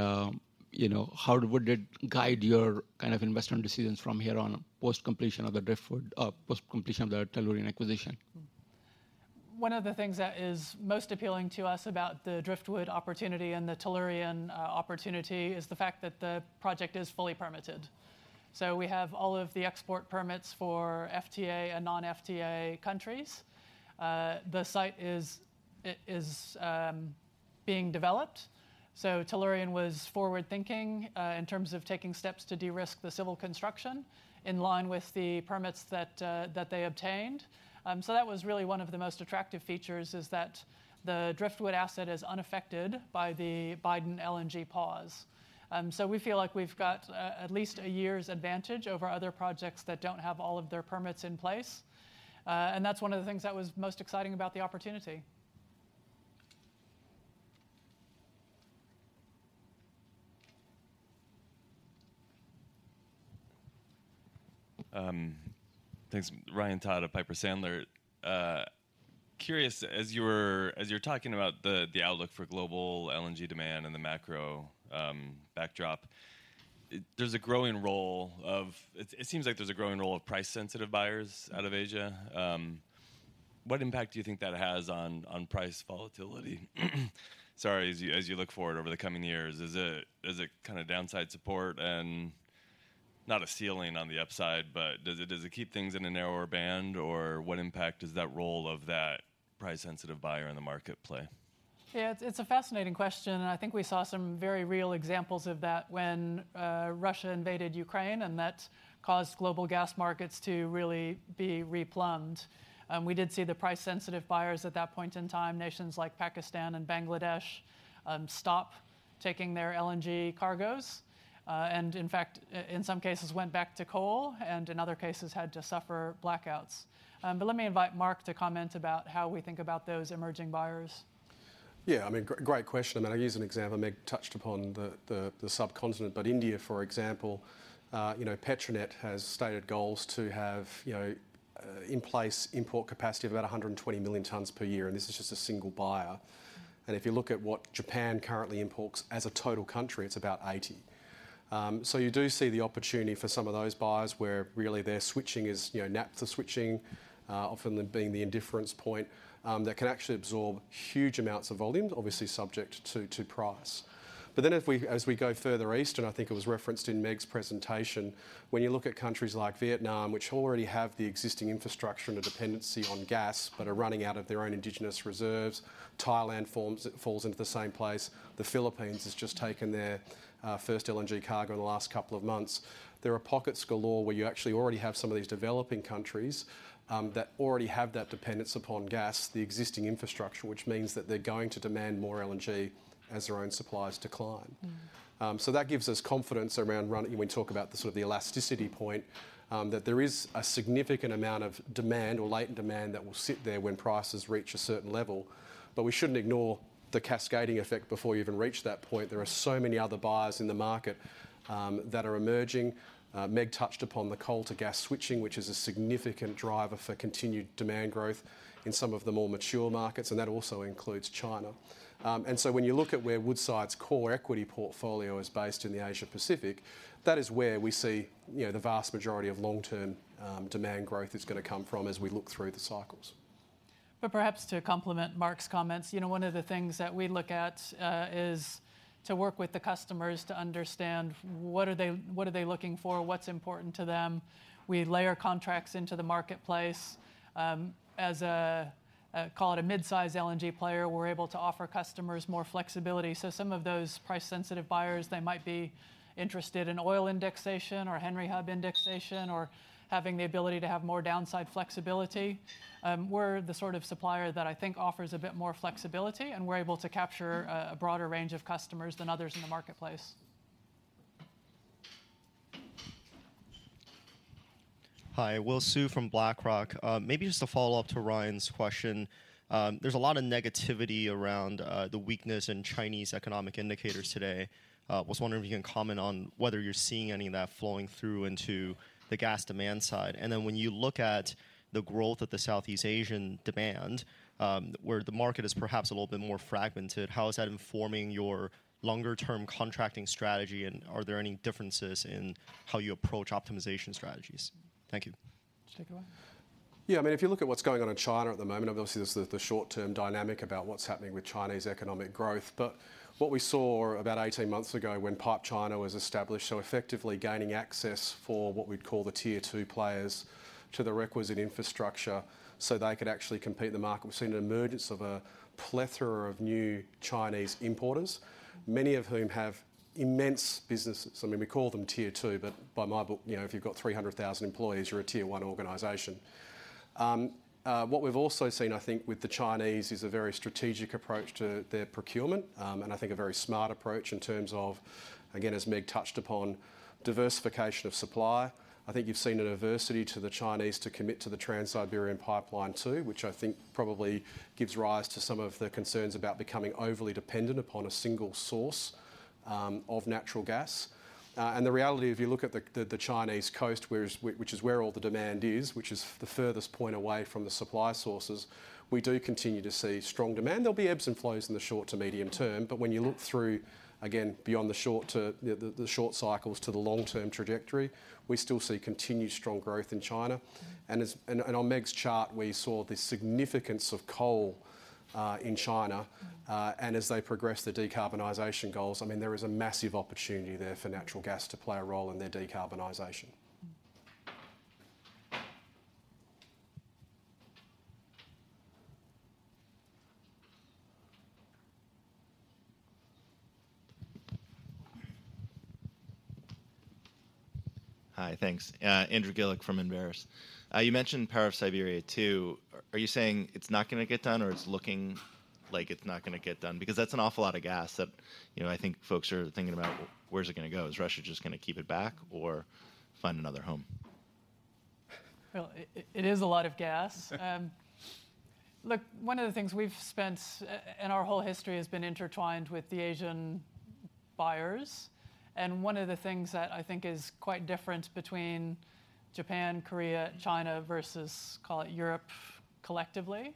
you know, how would it guide your kind of investment decisions from here on, post-completion of the Driftwood, post-completion of the Tellurian acquisition? One of the things that is most appealing to us about the Driftwood opportunity and the Tellurian opportunity is the fact that the project is fully permitted, so we have all of the export permits for FTA and non-FTA countries. The site is being developed, so Tellurian was forward-thinking in terms of taking steps to de-risk the civil construction in line with the permits that they obtained, so that was really one of the most attractive features, is that the Driftwood asset is unaffected by the Biden LNG pause, so we feel like we've got at least a year's advantage over other projects that don't have all of their permits in place, and that's one of the things that was most exciting about the opportunity. This Ryan Todd of Piper Sandler. Curious, as you were talking about the outlook for global LNG demand and the macro backdrop, there's a growing role of. It seems like there's a growing role of price-sensitive buyers out of Asia. What impact do you think that has on price volatility? Sorry, as you look forward over the coming years, is it kind of downside support and not a ceiling on the upside, but does it keep things in a narrower band, or what impact does that role of that price-sensitive buyer in the market play? Yeah, it's a fascinating question, and I think we saw some very real examples of that when Russia invaded Ukraine, and that caused global gas markets to really be replumbed. We did see the price-sensitive buyers at that point in time, nations like Pakistan and Bangladesh, stop taking their LNG cargoes, and in fact, in some cases went back to coal and in other cases had to suffer blackouts. But let me invite Mark to comment about how we think about those emerging buyers.... Yeah, I mean, great, great question. I mean, I'll use an example. Meg touched upon the subcontinent, but India, for example, you know, Petronet has stated goals to have in place import capacity of about 120 million tons per year, and this is just a single buyer, and if you look at what Japan currently imports as a total country, it's about 80, so you do see the opportunity for some of those buyers where really their switching is, you know, more often than being the indifference point, that can actually absorb huge amounts of volume, obviously subject to price. But then as we go further east, and I think it was referenced in Meg's presentation, when you look at countries like Vietnam, which already have the existing infrastructure and a dependency on gas, but are running out of their own indigenous reserves, Thailand falls into the same place. The Philippines has just taken their first LNG cargo in the last couple of months. There are pockets galore where you actually already have some of these developing countries that already have that dependence upon gas, the existing infrastructure, which means that they're going to demand more LNG as their own supplies decline. So that gives us confidence around running. When we talk about the sort of elasticity point, that there is a significant amount of demand or latent demand that will sit there when prices reach a certain level. But we shouldn't ignore the cascading effect before you even reach that point. There are so many other buyers in the market that are emerging. Meg touched upon the coal to gas switching, which is a significant driver for continued demand growth in some of the more mature markets, and that also includes China. And so when you look at where Woodside's core equity portfolio is based in the Asia Pacific, that is where we see, you know, the vast majority of long-term demand growth is gonna come from as we look through the cycles. But perhaps to complement Mark's comments, you know, one of the things that we look at is to work with the customers to understand what they are looking for, what's important to them. We layer contracts into the marketplace. As a call it a mid-size LNG player, we're able to offer customers more flexibility. So some of those price-sensitive buyers, they might be interested in oil indexation or Henry Hub indexation, or having the ability to have more downside flexibility. We're the sort of supplier that I think offers a bit more flexibility, and we're able to capture a broader range of customers than others in the marketplace. Hi, Will Su from BlackRock. Maybe just a follow-up to Ryan's question. There's a lot of negativity around the weakness in Chinese economic indicators today. Was wondering if you can comment on whether you're seeing any of that flowing through into the gas demand side. And then when you look at the growth of the Southeast Asian demand, where the market is perhaps a little bit more fragmented, how is that informing your longer-term contracting strategy? And are there any differences in how you approach optimization strategies? Thank you. Take it away. Yeah, I mean, if you look at what's going on in China at the moment, obviously, there's the short-term dynamic about what's happening with Chinese economic growth. But what we saw about eighteen months ago when PipeChina was established, so effectively gaining access for what we'd call the tier two players to the requisite infrastructure, so they could actually compete in the market. We've seen an emergence of a plethora of new Chinese importers, many of whom have immense businesses. I mean, we call them tier two, but by my book, you know, if you've got three hundred thousand employees, you're a tier one organization. What we've also seen, I think, with the Chinese, is a very strategic approach to their procurement, and I think a very smart approach in terms of, again, as Meg touched upon, diversification of supply. I think you've seen an aversion to the Chinese to commit to the Trans-Siberian pipeline 2, which I think probably gives rise to some of the concerns about becoming overly dependent upon a single source of natural gas, and the reality, if you look at the Chinese coast, which is where all the demand is, which is the furthest point away from the supply sources, we do continue to see strong demand. There'll be ebbs and flows in the short to medium term, but when you look through, again, beyond the short to the short cycles to the long-term trajectory, we still see continued strong growth in China, and on Meg's chart, we saw the significance of coal in China. And as they progress their decarbonization goals, I mean, there is a massive opportunity there for natural gas to play a role in their decarbonization. Mm. Hi, thanks. Andrew Gillick from Enverus. You mentioned Power of Siberia 2. Are you saying it's not gonna get done, or it's looking like it's not gonna get done? Because that's an awful lot of gas that, you know, I think folks are thinking about, where's it gonna go? Is Russia just gonna keep it back or find another home? It is a lot of gas. Look, one of the things we've spent, and our whole history has been intertwined with the Asian buyers. And one of the things that I think is quite different between Japan, Korea, China, versus, call it Europe collectively,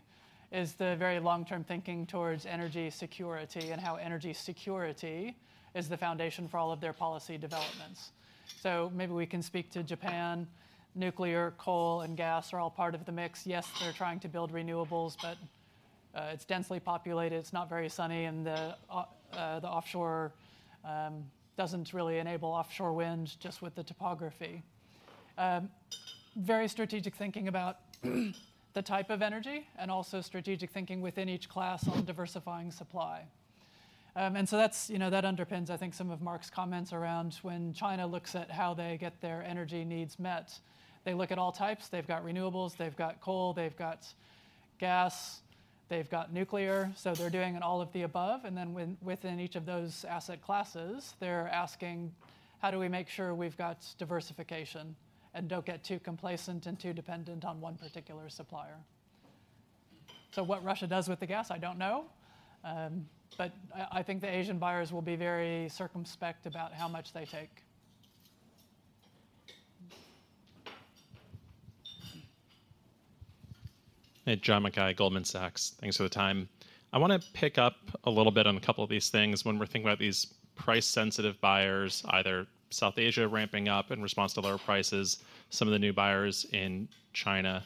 is the very long-term thinking towards energy security and how energy security is the foundation for all of their policy developments. So maybe we can speak to Japan. Nuclear, coal, and gas are all part of the mix. Yes, they're trying to build renewables, but it's densely populated, it's not very sunny, and the offshore doesn't really enable offshore wind just with the topography. Very strategic thinking about the type of energy and also strategic thinking within each class on diversifying supply. And so that's, you know, that underpins, I think, some of Mark's comments around when China looks at how they get their energy needs met. They look at all types. They've got renewables, they've got coal, they've got gas, they've got nuclear, so they're doing an all of the above. And then, when within each of those asset classes, they're asking: How do we make sure we've got diversification and don't get too complacent and too dependent on one particular supplier? So what Russia does with the gas, I don't know. But I think the Asian buyers will be very circumspect about how much they take. Hey, John Mackay, Goldman Sachs. Thanks for the time. I wanna pick up a little bit on a couple of these things. When we're thinking about these price-sensitive buyers, either South Asia ramping up in response to lower prices, some of the new buyers in China,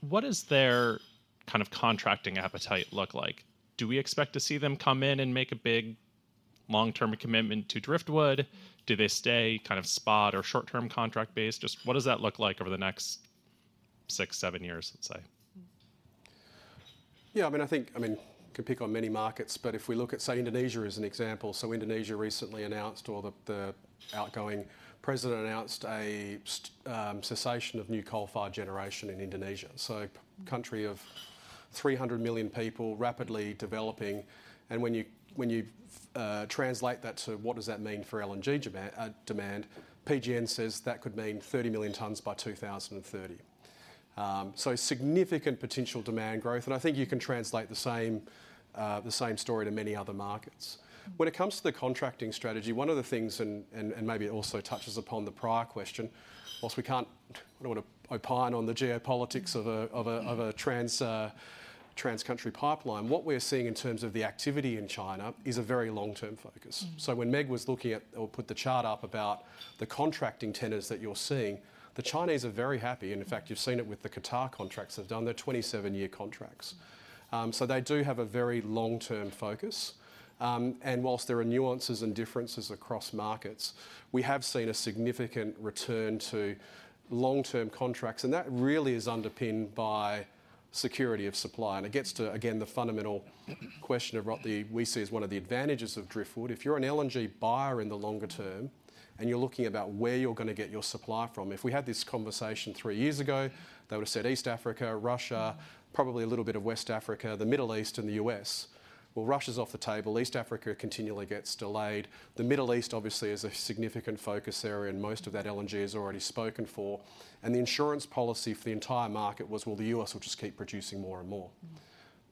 what does their kind of contracting appetite look like? Do we expect to see them come in and make a big, long-term commitment to Driftwood? Do they stay kind of spot or short-term contract-based? Just what does that look like over the next six, seven years, let's say? Yeah, I mean, I think, I mean, you can pick on many markets, but if we look at, say, Indonesia as an example. So Indonesia recently announced, or the outgoing president announced a cessation of new coal-fired generation in Indonesia. So country of 300 million people, rapidly developing, and when you translate that to what does that mean for LNG demand, demand, PGN says that could mean 30 million tons by 2030. So significant potential demand growth, and I think you can translate the same story to many other markets. When it comes to the contracting strategy, one of the things, and maybe it also touches upon the prior question, while we can't... I don't want to opine on the geopolitics of a Trans-Siberian pipeline. What we're seeing in terms of the activity in China is a very long-term focus. So when Meg was looking at, or put the chart up about the contracting tenders that you're seeing, the Chinese are very happy, and in fact, you've seen it with the Qatar contracts they've done. They're twenty-seven-year contracts. So they do have a very long-term focus. And while there are nuances and differences across markets, we have seen a significant return to long-term contracts, and that really is underpinned by security of supply. And it gets to, again, the fundamental question of what the- we see as one of the advantages of Driftwood. If you're an LNG buyer in the longer term, and you're looking about where you're gonna get your supply from, if we had this conversation three years ago, they would've said East Africa, Russia, probably a little bit of West Africa, the Middle East, and the US. Well, Russia's off the table. East Africa continually gets delayed. The Middle East, obviously, is a significant focus area, and most of that LNG is already spoken for. And the insurance policy for the entire market was, well, the U.S. will just keep producing more and more.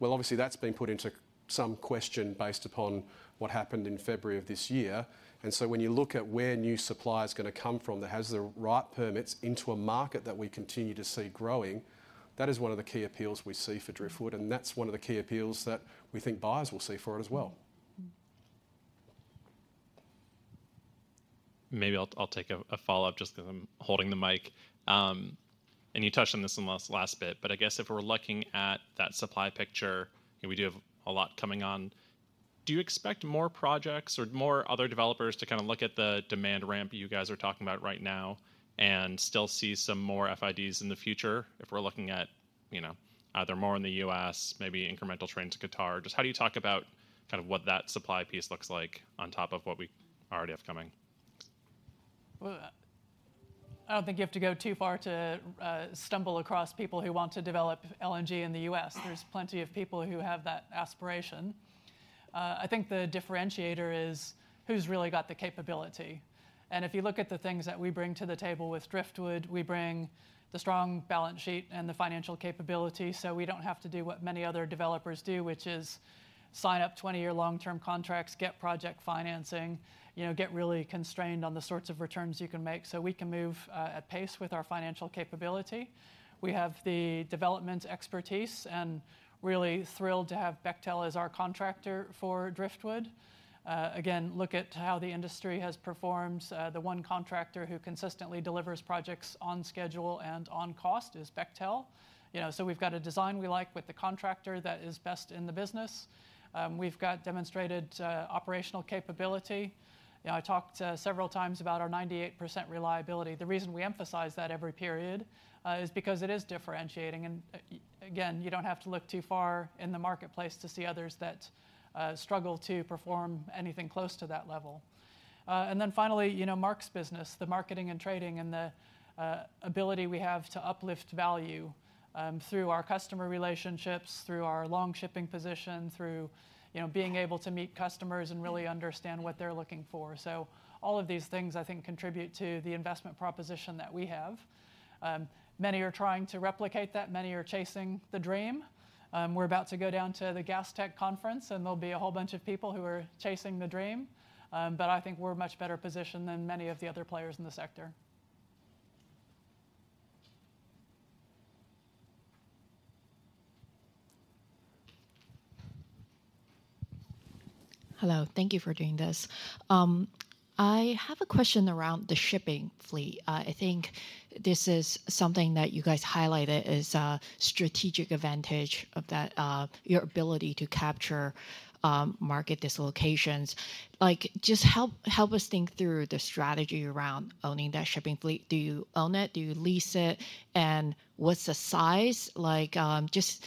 Obviously, that's been put into some question based upon what happened in February of this year. When you look at where new supply is gonna come from, that has the right permits into a market that we continue to see growing, that is one of the key appeals we see for Driftwood, and that's one of the key appeals that we think buyers will see for it as well. Maybe I'll take a follow-up, just because I'm holding the mic. And you touched on this in the last bit, but I guess if we're looking at that supply picture, and we do have a lot coming on, do you expect more projects or more other developers to kind of look at the demand ramp you guys are talking about right now and still see some more FIDs in the future? If we're looking at, you know, either more in the U.S., maybe incremental train to Qatar, just how do you talk about kind of what that supply piece looks like on top of what we already have coming? I don't think you have to go too far to stumble across people who want to develop LNG in the U.S. There's plenty of people who have that aspiration. I think the differentiator is, who's really got the capability? And if you look at the things that we bring to the table with Driftwood, we bring the strong balance sheet and the financial capability, so we don't have to do what many other developers do, which is sign up twenty-year long-term contracts, get project financing, you know, get really constrained on the sorts of returns you can make. So we can move at pace with our financial capability. We have the development expertise, and really thrilled to have Bechtel as our contractor for Driftwood. Again, look at how the industry has performed. The one contractor who consistently delivers projects on schedule and on cost is Bechtel. You know, so we've got a design we like with the contractor that is best in the business. We've got demonstrated operational capability. You know, I talked several times about our 98% reliability. The reason we emphasize that every period is because it is differentiating, and again, you don't have to look too far in the marketplace to see others that struggle to perform anything close to that level. And then finally, you know, Mark's business, the marketing and trading and the ability we have to uplift value through our customer relationships, through our long shipping position, through, you know, being able to meet customers and really understand what they're looking for. So all of these things, I think, contribute to the investment proposition that we have. Many are trying to replicate that. Many are chasing the dream. We're about to go down to the Gastech Conference, and there'll be a whole bunch of people who are chasing the dream. But I think we're much better positioned than many of the other players in the sector. Hello, thank you for doing this. I have a question around the shipping fleet. I think this is something that you guys highlighted as a strategic advantage of that, your ability to capture, market dislocations. Like, just help us think through the strategy around owning that shipping fleet. Do you own it? Do you lease it? And what's the size like? Just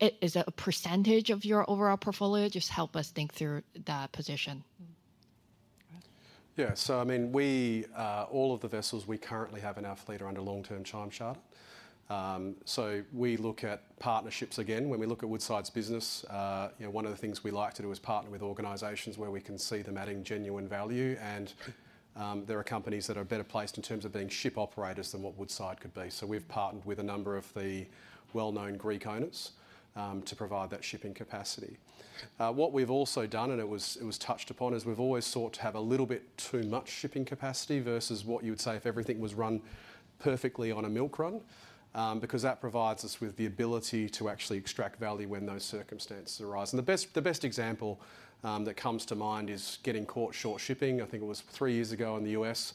is it a percentage of your overall portfolio? Just help us think through that position. ... Yeah, so I mean, we all of the vessels we currently have in our fleet are under long-term time charter. So we look at partnerships again. When we look at Woodside's business, you know, one of the things we like to do is partner with organizations where we can see them adding genuine value. And there are companies that are better placed in terms of being ship operators than what Woodside could be. So we've partnered with a number of the well-known Greek owners to provide that shipping capacity. What we've also done, and it was touched upon, is we've always sought to have a little bit too much shipping capacity versus what you would say if everything was run perfectly on a milk run. Because that provides us with the ability to actually extract value when those circumstances arise. The best example that comes to mind is getting caught short shipping. I think it was three years ago in the US,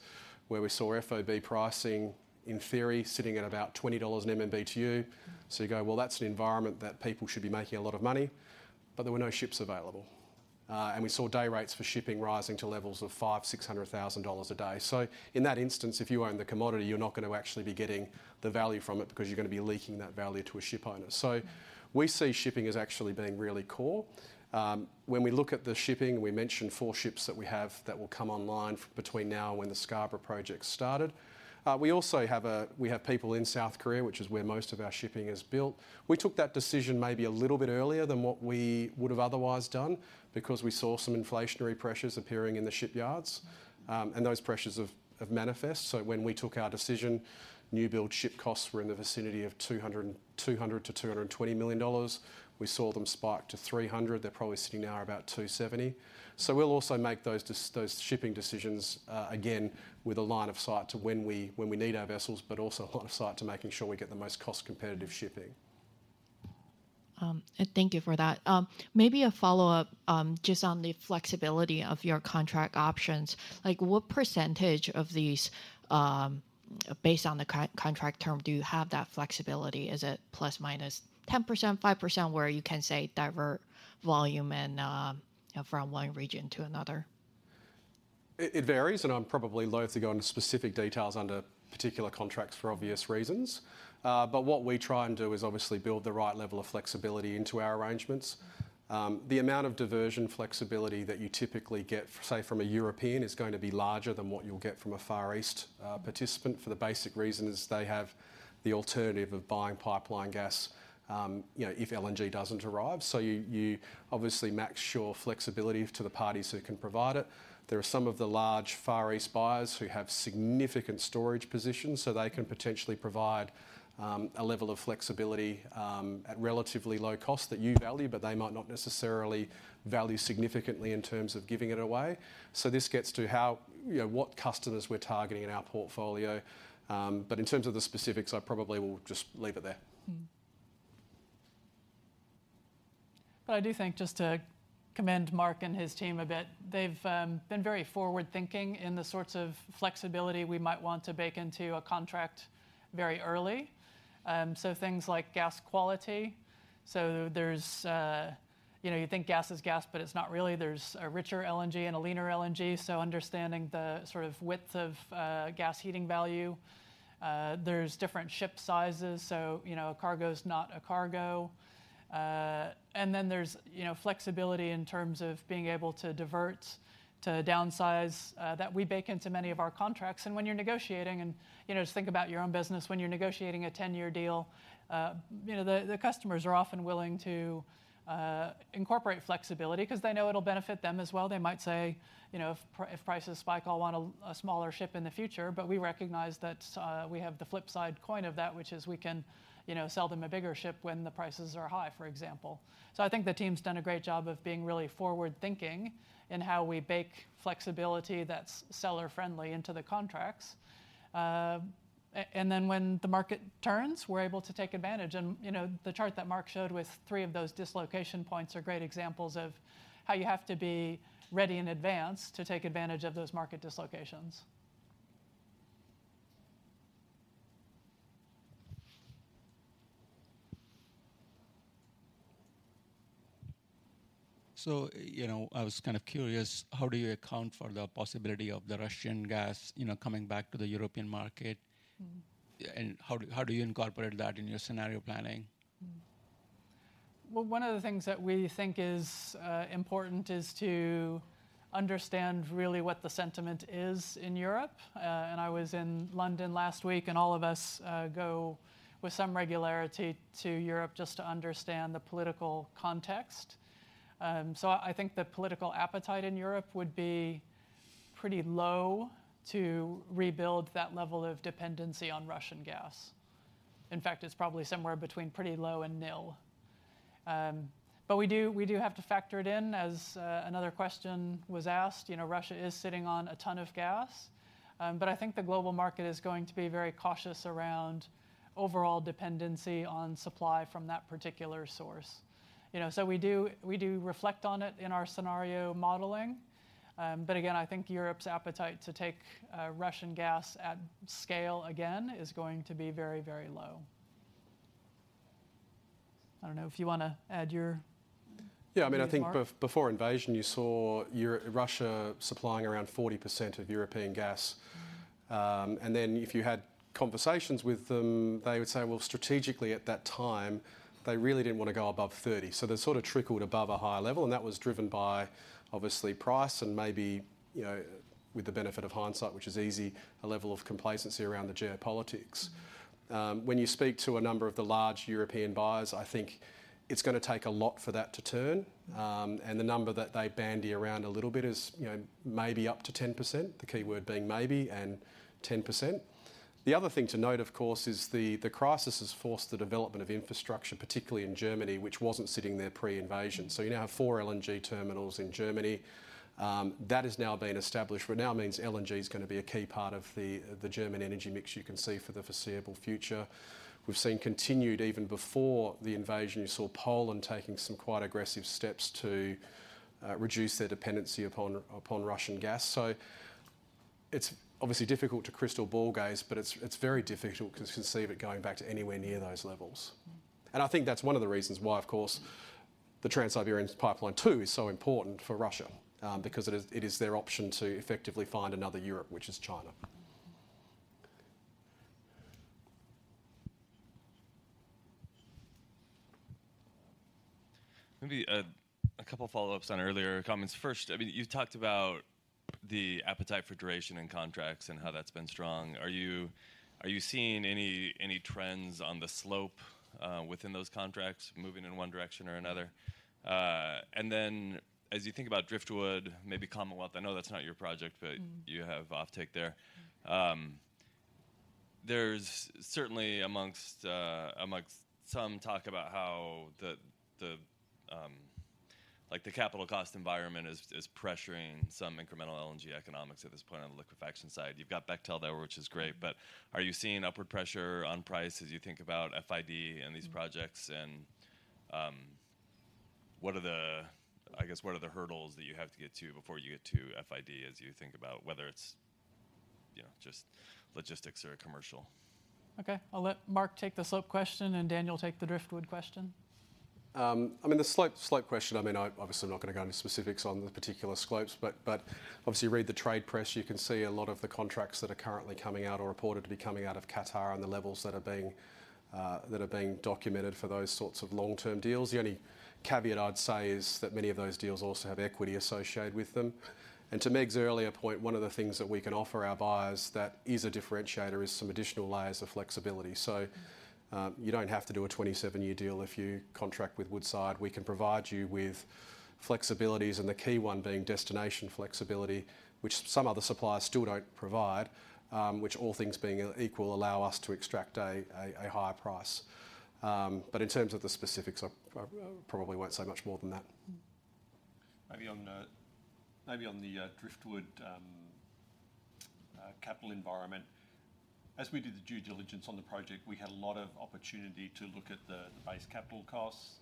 where we saw FOB pricing, in theory, sitting at about $20 an MMBtu. So you go, "Well, that's an environment that people should be making a lot of money," but there were no ships available. And we saw day rates for shipping rising to levels of $500,000-$600,000 a day. So in that instance, if you own the commodity, you're not going to actually be getting the value from it because you're going to be leaking that value to a ship owner. So we see shipping as actually being really core. When we look at the shipping, we mentioned four ships that we have that will come online between now and when the Scarborough project started. We also have a... We have people in South Korea, which is where most of our shipping is built. We took that decision maybe a little bit earlier than what we would have otherwise done because we saw some inflationary pressures appearing in the shipyards, and those pressures have manifest. So when we took our decision, new build ship costs were in the vicinity of $200-$220 million. We saw them spike to $300. They're probably sitting now at about $270. So we'll also make those shipping decisions, again, with a line of sight to when we need our vessels, but also a line of sight to making sure we get the most cost-competitive shipping. Thank you for that. Maybe a follow-up, just on the flexibility of your contract options. Like, what percentage of these, based on the contract term, do you have that flexibility? Is it ±10%, 5%, where you can, say, divert volume and from one region to another? It varies, and I'm probably loath to go into specific details under particular contracts for obvious reasons. But what we try and do is obviously build the right level of flexibility into our arrangements. The amount of diversion flexibility that you typically get, say, from a European, is going to be larger than what you'll get from a Far East participant, for the basic reason is they have the alternative of buying pipeline gas, you know, if LNG doesn't arrive. So you obviously max your flexibility to the parties who can provide it. There are some of the large Far East buyers who have significant storage positions, so they can potentially provide a level of flexibility at relatively low cost that you value, but they might not necessarily value significantly in terms of giving it away. So this gets to how, you know, what customers we're targeting in our portfolio. But in terms of the specifics, I probably will just leave it there. Mm. But I do think, just to commend Mark and his team a bit, they've been very forward-thinking in the sorts of flexibility we might want to bake into a contract very early. So things like gas quality. So there's... You know, you think gas is gas, but it's not really. There's a richer LNG and a leaner LNG, so understanding the sort of width of gas heating value. There's different ship sizes, so, you know, a cargo is not a cargo. And then there's, you know, flexibility in terms of being able to divert, to downsize, that we bake into many of our contracts. When you're negotiating, and, you know, just think about your own business, when you're negotiating a 10-year deal, you know, the customers are often willing to incorporate flexibility because they know it'll benefit them as well. They might say, "You know, if prices spike, I'll want a smaller ship in the future." But we recognize that, we have the flip side coin of that, which is we can, you know, sell them a bigger ship when the prices are high, for example. So I think the team's done a great job of being really forward-thinking in how we bake flexibility that's seller-friendly into the contracts. And then when the market turns, we're able to take advantage. You know, the chart that Mark showed with three of those dislocation points are great examples of how you have to be ready in advance to take advantage of those market dislocations. So, you know, I was kind of curious, how do you account for the possibility of the Russian gas, you know, coming back to the European market? Mm. How do you incorporate that in your scenario planning? One of the things that we think is important is to understand really what the sentiment is in Europe. I was in London last week, and all of us go with some regularity to Europe just to understand the political context. I think the political appetite in Europe would be pretty low to rebuild that level of dependency on Russian gas. In fact, it's probably somewhere between pretty low and nil. We do have to factor it in, as another question was asked. You know, Russia is sitting on a ton of gas, but I think the global market is going to be very cautious around overall dependency on supply from that particular source. You know, so we do, we do reflect on it in our scenario modeling, but again, I think Europe's appetite to take Russian gas at scale again is going to be very, very low. I don't know if you want to add your... Yeah, I mean, I think before invasion, you saw Europe, Russia supplying around 40% of European gas, and then if you had conversations with them, they would say, well, strategically at that time, they really didn't want to go above 30. So they sort of trickled above a higher level, and that was driven by obviously price and maybe, you know, with the benefit of hindsight, which is easy, a level of complacency around the geopolitics. When you speak to a number of the large European buyers, I think it's gonna take a lot for that to turn, and the number that they bandy around a little bit is, you know, maybe up to 10%, the key word being maybe and 10%. The other thing to note, of course, is the crisis has forced the development of infrastructure, particularly in Germany, which wasn't sitting there pre-invasion. So you now have four LNG terminals in Germany. That has now been established, which now means LNG is gonna be a key part of the German energy mix you can see for the foreseeable future. We've seen continued even before the invasion, you saw Poland taking some quite aggressive steps to reduce their dependency upon Russian gas. So it's obviously difficult to crystal ball gaze, but it's very difficult to conceive it going back to anywhere near those levels. And I think that's one of the reasons why, of course, the Trans-Siberian pipeline 2 is so important for Russia, because it is their option to effectively find another Europe, which is China. Maybe, a couple of follow-ups on earlier comments. First, I mean, you talked about the appetite for duration and contracts and how that's been strong. Are you seeing any trends on the slope within those contracts moving in one direction or another? And then as you think about Driftwood, maybe Commonwealth, I know that's not your project- Mm. but you have offtake there. There's certainly among some talk about how the like the capital cost environment is pressuring some incremental LNG economics at this point on the liquefaction side. You've got Bechtel there, which is great, but are you seeing upward pressure on price as you think about FID and these projects? Mm. I guess, what are the hurdles that you have to get to before you get to FID as you think about whether it's, you know, just logistics or commercial? Okay. I'll let Mark take the scope question, and Daniel take the Driftwood question. I mean, the slope question. I mean, I obviously I'm not gonna go into specifics on the particular slopes, but obviously, you read the trade press. You can see a lot of the contracts that are currently coming out or reported to be coming out of Qatar and the levels that are being documented for those sorts of long-term deals. The only caveat I'd say is that many of those deals also have equity associated with them. And to Meg's earlier point, one of the things that we can offer our buyers that is a differentiator is some additional layers of flexibility You don't have to do a 27-year deal if you contract with Woodside. We can provide you with flexibilities, and the key one being destination flexibility, which some other suppliers still don't provide, which, all things being equal, allow us to extract a higher price. In terms of the specifics, I probably won't say much more than that. Maybe on the Driftwood capital environment. As we did the due diligence on the project, we had a lot of opportunity to look at the base capital costs.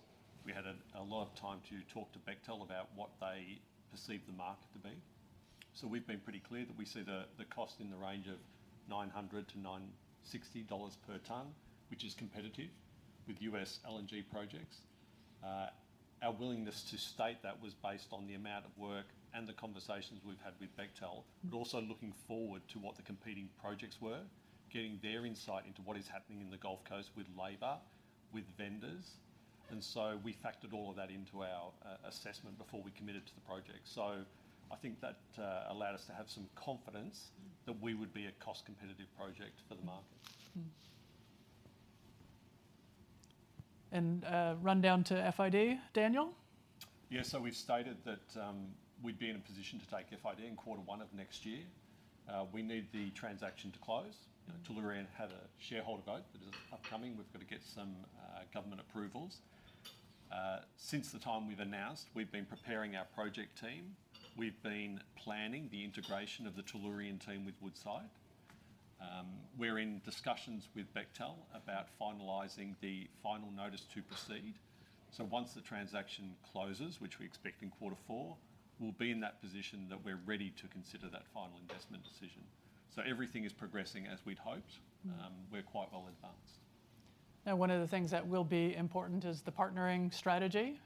We had a lot of time to talk to Bechtel about what they perceive the market to be. So we've been pretty clear that we see the cost in the range of $900-$960 per ton, which is competitive with U.S. LNG projects. Our willingness to state that was based on the amount of work and the conversations we've had with Bechtel-... but also looking forward to what the competing projects were, getting their insight into what is happening in the Gulf Coast with labor, with vendors, and so we factored all of that into our assessment before we committed to the project, so I think that allowed us to have some confidence that we would be a cost-competitive project for the market. And run down to FID, Daniel? Yeah. So we've stated that we'd be in a position to take FID in quarter one of next year. We need the transaction to close. You know, Tellurian had a shareholder vote that is upcoming. We've got to get some government approvals. Since the time we've announced, we've been preparing our project team. We've been planning the integration of the Tellurian team with Woodside. We're in discussions with Bechtel about finalizing the final notice to proceed. So once the transaction closes, which we expect in quarter four, we'll be in that position that we're ready to consider that final investment decision. So everything is progressing as we'd hoped. Mm. We're quite well advanced. Now, one of the things that will be important is the partnering strategy.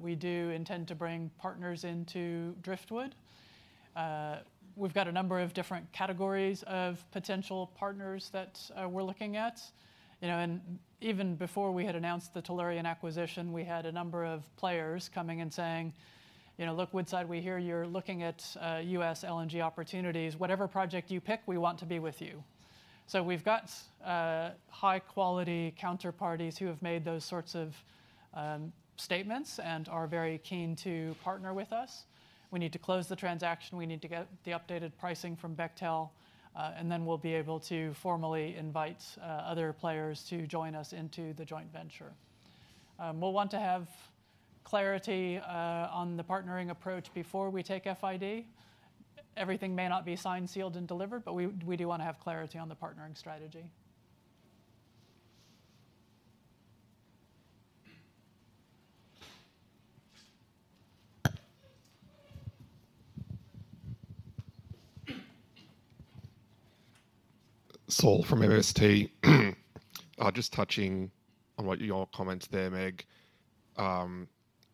We do intend to bring partners into Driftwood. We've got a number of different categories of potential partners that, we're looking at. You know, and even before we had announced the Tellurian acquisition, we had a number of players coming and saying, "You know, look, Woodside, we hear you're looking at U.S. LNG opportunities. Whatever project you pick, we want to be with you." So we've got high-quality counterparties who have made those sorts of statements and are very keen to partner with us. We need to close the transaction, we need to get the updated pricing from Bechtel, and then we'll be able to formally invite other players to join us into the joint venture. We'll want to have clarity on the partnering approach before we take FID. Everything may not be signed, sealed, and delivered, but we do want to have clarity on the partnering strategy.... Saul from MST. Just touching on what your comments there, Meg,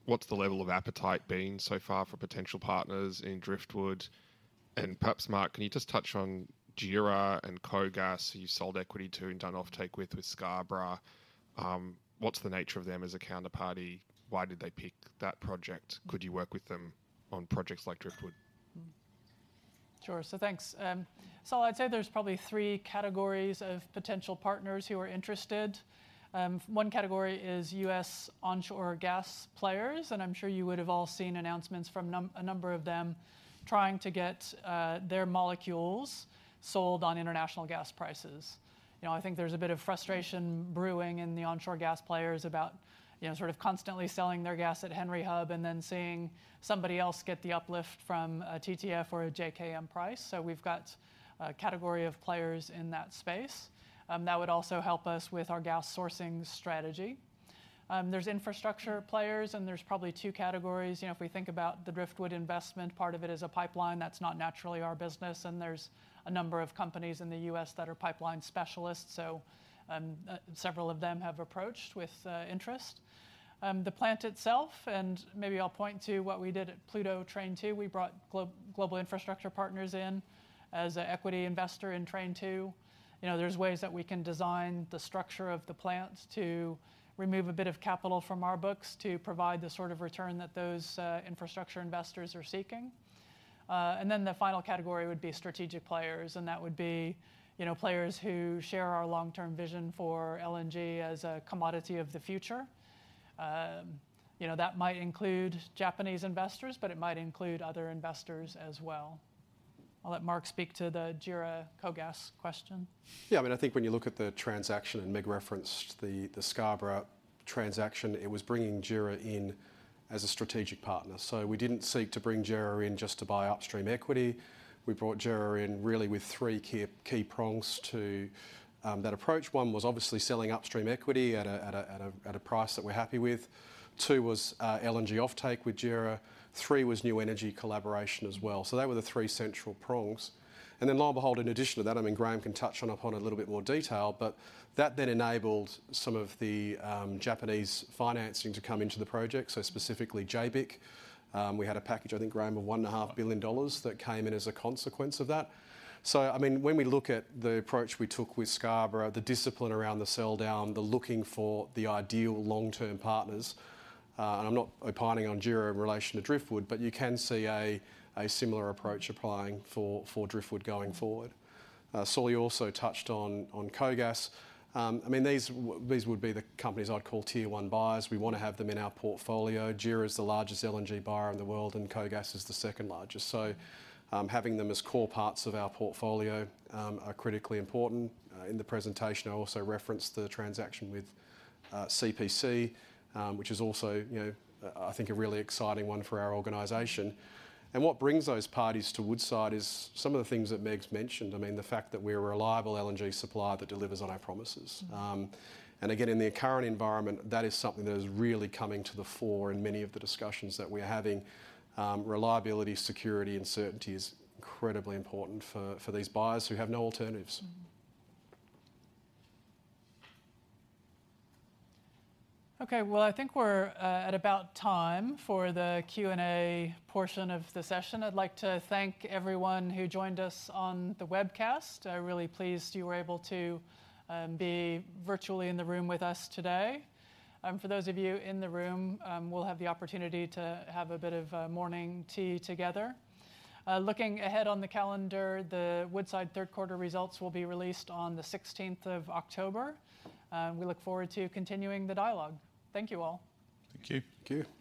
what's the level of appetite been so far for potential partners in Driftwood? And perhaps, Mark, can you just touch on JERA and KOGAS, who you sold equity to and done offtake with, with Scarborough. What's the nature of them as a counterparty? Why did they pick that project? Could you work with them on projects like Driftwood? Sure. So thanks. So I'd say there's probably three categories of potential partners who are interested. One category is U.S. onshore gas players, and I'm sure you would have all seen announcements from a number of them trying to get their molecules sold on international gas prices. You know, I think there's a bit of frustration brewing in the onshore gas players about, you know, sort of constantly selling their gas at Henry Hub and then seeing somebody else get the uplift from a TTF or a JKM price. So we've got a category of players in that space that would also help us with our gas sourcing strategy. There's infrastructure players, and there's probably two categories. You know, if we think about the Driftwood investment, part of it is a pipeline that's not naturally our business, and there's a number of companies in the U.S. that are pipeline specialists, so several of them have approached with interest. The plant itself, and maybe I'll point to what we did at Pluto Train 2, we brought Global Infrastructure Partners in as an equity investor in Train 2. You know, there's ways that we can design the structure of the plant to remove a bit of capital from our books to provide the sort of return that those infrastructure investors are seeking. And then the final category would be strategic players, and that would be, you know, players who share our long-term vision for LNG as a commodity of the future. You know, that might include Japanese investors, but it might include other investors as well. I'll let Mark speak to the JERA, KOGAS question. Yeah, I mean, I think when you look at the transaction, and Meg referenced the Scarborough transaction, it was bringing JERA in as a strategic partner. So we didn't seek to bring JERA in just to buy upstream equity. We brought JERA in really with three key prongs to that approach. One was obviously selling upstream equity at a price that we're happy with. Two was LNG offtake with JERA. Three was new energy collaboration as well. So they were the three central prongs. And then lo and behold, in addition to that, I mean, Graham can touch on it in a little bit more detail, but that then enabled some of the Japanese financing to come into the project, so specifically JBIC. We had a package, I think, Graham, of $1.5 billion that came in as a consequence of that. So I mean, when we look at the approach we took with Scarborough, the discipline around the sell-down, the looking for the ideal long-term partners, and I'm not opining on JERA in relation to Driftwood, but you can see a similar approach applying for Driftwood going forward. Saul, you also touched on KOGAS. I mean, these would be the companies I'd call tier one buyers. We want to have them in our portfolio. JERA is the largest LNG buyer in the world, and KOGAS is the second largest. So, having them as core parts of our portfolio are critically important. In the presentation, I also referenced the transaction with CPC, which is also, you know, I think a really exciting one for our organization. And what brings those parties to Woodside is some of the things that Meg's mentioned, I mean, the fact that we're a reliable LNG supplier that delivers on our promises. Mm. And again, in the current environment, that is something that is really coming to the fore in many of the discussions that we're having. Reliability, security, and certainty is incredibly important for these buyers who have no alternatives. Mm-hmm. Okay, well, I think we're at about time for the Q&A portion of the session. I'd like to thank everyone who joined us on the webcast. I'm really pleased you were able to be virtually in the room with us today. For those of you in the room, we'll have the opportunity to have a bit of morning tea together. Looking ahead on the calendar, the Woodside third quarter results will be released on the 16th of October, and we look forward to continuing the dialogue. Thank you all. Thank you. Thank you.